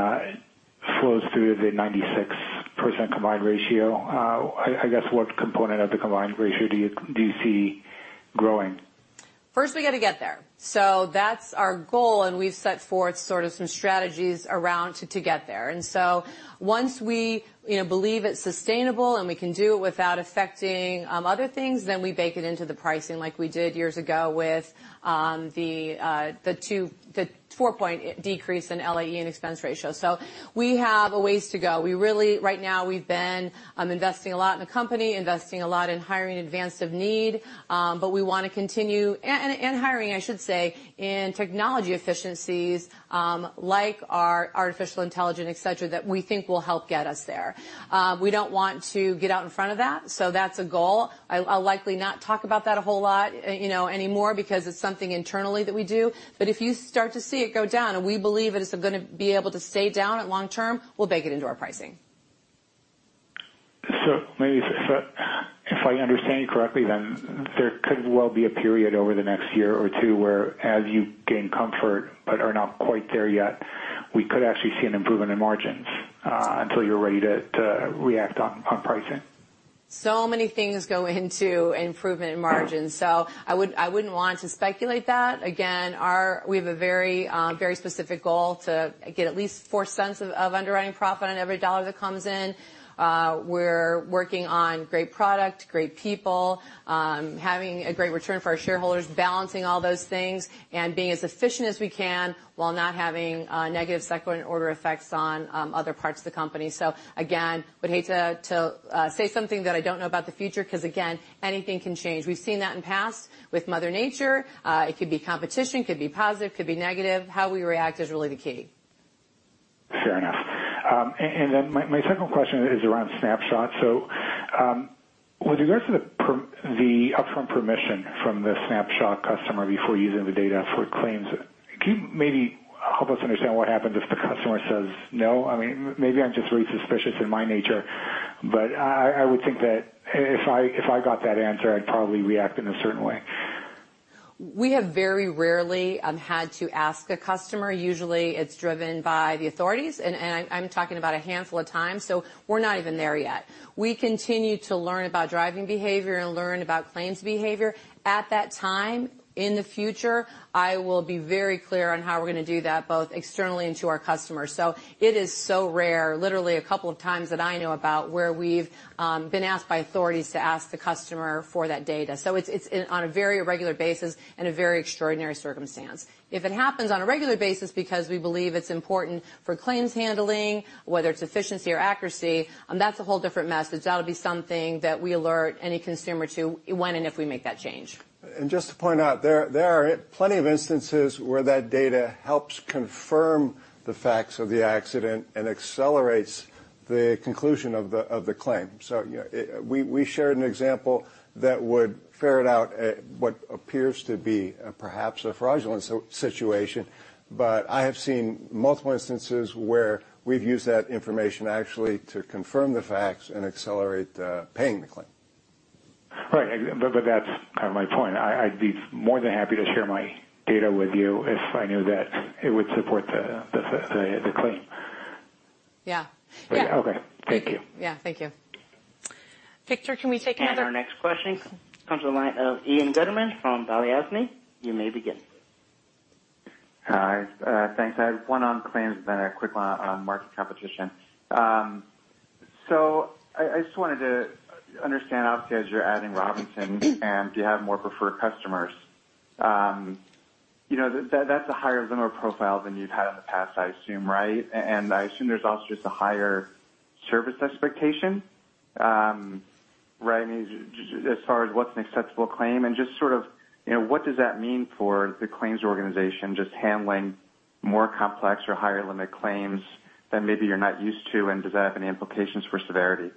flows through the 96% combined ratio? I guess, what component of the combined ratio do you see growing? First we got to get there. That's our goal, and we've set forth sort of some strategies around to get there. Once we believe it's sustainable and we can do it without affecting other things, then we bake it into the pricing like we did years ago with the four-point decrease in LAE and expense ratio. We have a ways to go. Right now, we've been investing a lot in the company, investing a lot in hiring in advance of need. We want to continue, and hiring, I should say, in technology efficiencies like our artificial intelligence, et cetera, that we think will help get us there. We don't want to get out in front of that's a goal. I'll likely not talk about that a whole lot anymore because it's something internally that we do. If you start to see it go down, and we believe that it's going to be able to stay down at long term, we'll bake it into our pricing. Maybe if I understand you correctly, there could well be a period over the next year or two where as you gain comfort but are not quite there yet, we could actually see an improvement in margins until you're ready to react on pricing. Many things go into improvement in margins. I wouldn't want to speculate that. Again, we have a very specific goal to get at least $0.04 of underwriting profit on every dollar that comes in. We're working on great product, great people, having a great return for our shareholders, balancing all those things, and being as efficient as we can while not having negative second order effects on other parts of the company. Again, would need to say something that I don't know about the future, because again, anything can change. We've seen that in past with mother nature. It could be competition, could be positive, could be negative. How we react is really the key. Fair enough. Then my second question is around Snapshot. With regards to the upfront permission from the Snapshot customer before using the data for claims, can you maybe help us understand what happens if the customer says no? Maybe I'm just really suspicious in my nature, but I would think that if I got that answer, I'd probably react in a certain way. We have very rarely had to ask a customer. Usually, it's driven by the authorities, and I'm talking about a handful of times. We're not even there yet. We continue to learn about driving behavior and learn about claims behavior. At that time, in the future, I will be very clear on how we're going to do that, both externally and to our customers. It is so rare, literally a couple of times that I know about, where we've been asked by authorities to ask the customer for that data. It's on a very irregular basis and a very extraordinary circumstance. If it happens on a regular basis because we believe it's important for claims handling, whether it's efficiency or accuracy, that's a whole different message. That'll be something that we alert any consumer to when and if we make that change. Just to point out, there are plenty of instances where that data helps confirm the facts of the accident and accelerates the conclusion of the claim. We shared an example that would ferret out what appears to be perhaps a fraudulent situation, but I have seen multiple instances where we've used that information actually to confirm the facts and accelerate paying the claim. Right. That's kind of my point. I'd be more than happy to share my data with you if I knew that it would support the claim. Yeah. Okay. Thank you. Yeah. Thank you. Victor, can we take another Our next question comes from the line of Ian Gutterman from Valeo Smid. You may begin. Hi. Thanks. I have one on claims, then a quick one on market competition. I just wanted to understand, obviously, as you're adding Robinson and if you have more preferred customers. That's a higher limit profile than you've had in the past, I assume, right? I assume there's also just a higher service expectation, right? I mean, as far as what's an acceptable claim and just sort of what does that mean for the claims organization, just handling more complex or higher limit claims that maybe you're not used to? Does that have any implications for severity?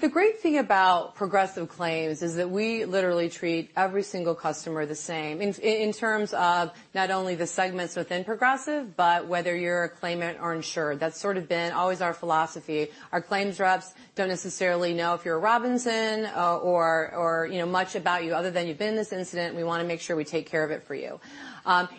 The great thing about Progressive claims is that we literally treat every single customer the same in terms of not only the segments within Progressive, but whether you're a claimant or insured. That's sort of been always our philosophy. Our claims reps don't necessarily know if you're a Robinson or much about you other than you've been in this incident, and we want to make sure we take care of it for you.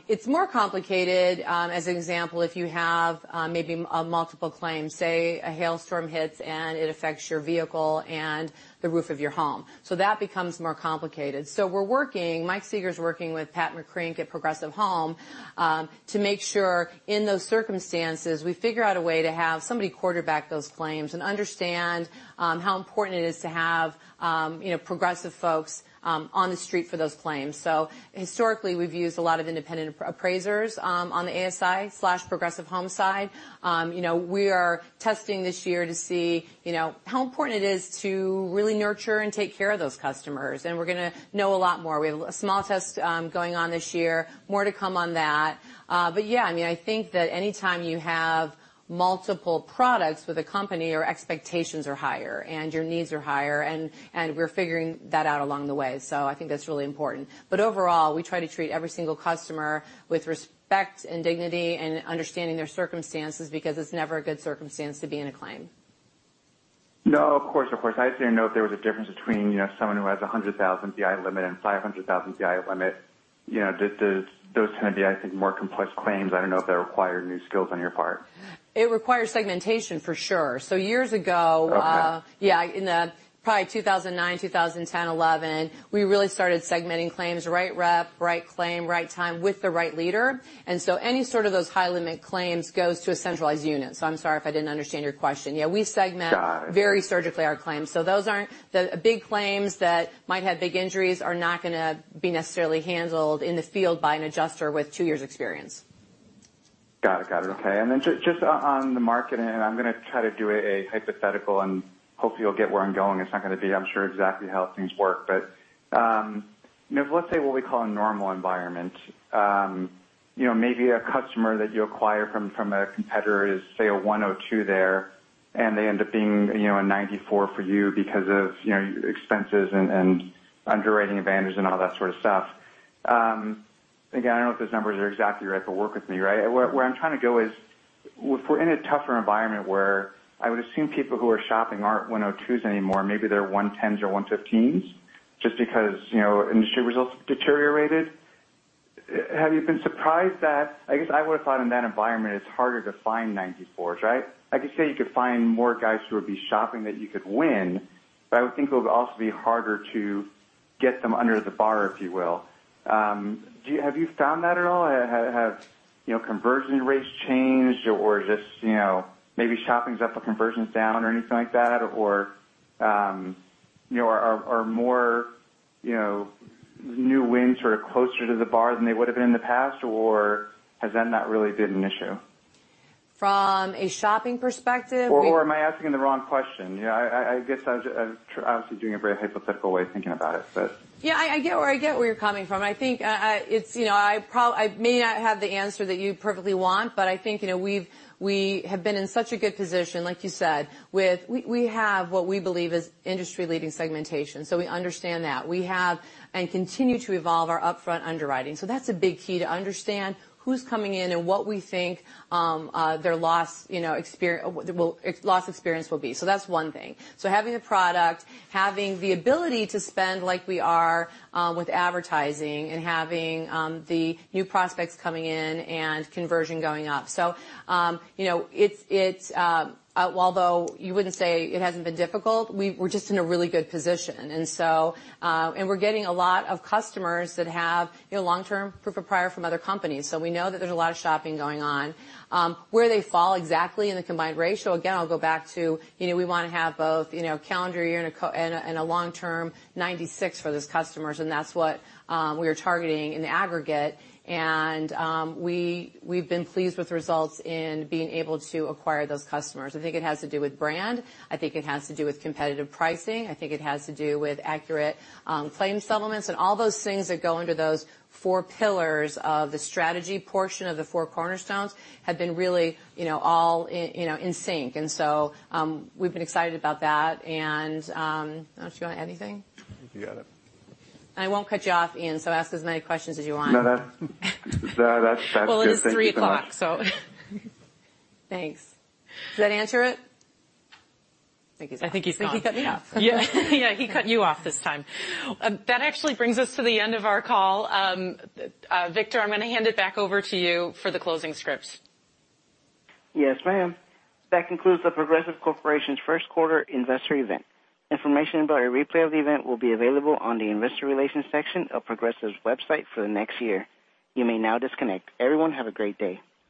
It's more complicated, as an example, if you have maybe multiple claims, say a hailstorm hits and it affects your vehicle and the roof of your home. That becomes more complicated. Mike Sieger's working with Pat McCrank at Progressive Home to make sure in those circumstances, we figure out a way to have somebody quarterback those claims and understand how important it is to have Progressive folks on the street for those claims. Historically, we've used a lot of independent appraisers on the ASI/Progressive Home side. We are testing this year to see how important it is to really nurture and take care of those customers, we're going to know a lot more. We have a small test going on this year, more to come on that. Yeah, I think that anytime you have multiple products with a company, your expectations are higher, and your needs are higher, and we're figuring that out along the way. I think that's really important. Overall, we try to treat every single customer with respect and dignity and understanding their circumstances, because it's never a good circumstance to be in a claim. No, of course. I just didn't know if there was a difference between someone who has 100,000 BI limit and 500,000 BI limit. Those tend to be, I think, more complex claims. I don't know if they require new skills on your part. It requires segmentation for sure. Okay In probably 2009, 2010, 2011, we really started segmenting claims, right rep, right claim, right time with the right leader. Any sort of those high limit claims goes to a centralized unit. I'm sorry if I didn't understand your question. Got it very surgically our claims. The big claims that might have big injuries are not going to be necessarily handled in the field by an adjuster with two years experience. Got it. Okay, just on the market, and I'm going to try to do a hypothetical and hopefully you'll get where I'm going. It's not going to be, I'm sure, exactly how things work. Let's say what we call a normal environment. Maybe a customer that you acquire from a competitor is, say, a 102 there, and they end up being a 94 for you because of your expenses and underwriting advantages and all that sort of stuff. Again, I don't know if those numbers are exactly right, but work with me, right? Where I'm trying to go is if we're in a tougher environment where I would assume people who are shopping aren't 102s anymore, maybe they're 110s or 115s just because industry results deteriorated. Have you been surprised that, I guess I would have thought in that environment it's harder to find 94s, right? I could say you could find more guys who would be shopping that you could win, but I would think it would also be harder to get them under the bar, if you will. Have you found that at all? Have conversion rates changed or just maybe shopping's up or conversion's down or anything like that? Are more new wins sort of closer to the bar than they would've been in the past, or has that not really been an issue? From a shopping perspective. Am I asking the wrong question? I guess I'm obviously doing a very hypothetical way of thinking about it. Yeah, I get where you're coming from. I may not have the answer that you perfectly want, but I think we have been in such a good position, like you said, we have what we believe is industry-leading segmentation, so we understand that. We have and continue to evolve our upfront underwriting. That's a big key to understand who's coming in and what we think their loss experience will be. That's one thing. Having the product, having the ability to spend like we are with advertising and having the new prospects coming in and conversion going up. Although you wouldn't say it hasn't been difficult, we're just in a really good position. We're getting a lot of customers that have long-term 100% prior from other companies, so we know that there's a lot of shopping going on. Where they fall exactly in the combined ratio, again, I'll go back to we want to have both calendar year and a long-term 96 for those customers, and that's what we are targeting in the aggregate, and we've been pleased with results in being able to acquire those customers. I think it has to do with brand. I think it has to do with competitive pricing. I think it has to do with accurate claim settlements, and all those things that go under those four pillars of the strategy portion of the four cornerstones have been really all in sync. We've been excited about that. Don't you want to add anything? I think you got it. I won't cut you off, Ian, so ask as many questions as you want. No, that's good. Thank you so much. Well, it is 3:00, so thanks. Does that answer it? I think he's off. I think he's gone. I think he cut me off. Yeah. Yeah, he cut you off this time. That actually brings us to the end of our call. Victor, I'm going to hand it back over to you for the closing scripts. Yes, ma'am. That concludes The Progressive Corporation first quarter investor event. Information about a replay of the event will be available on the investor relations section of Progressive's website for the next year. You may now disconnect. Everyone have a great day.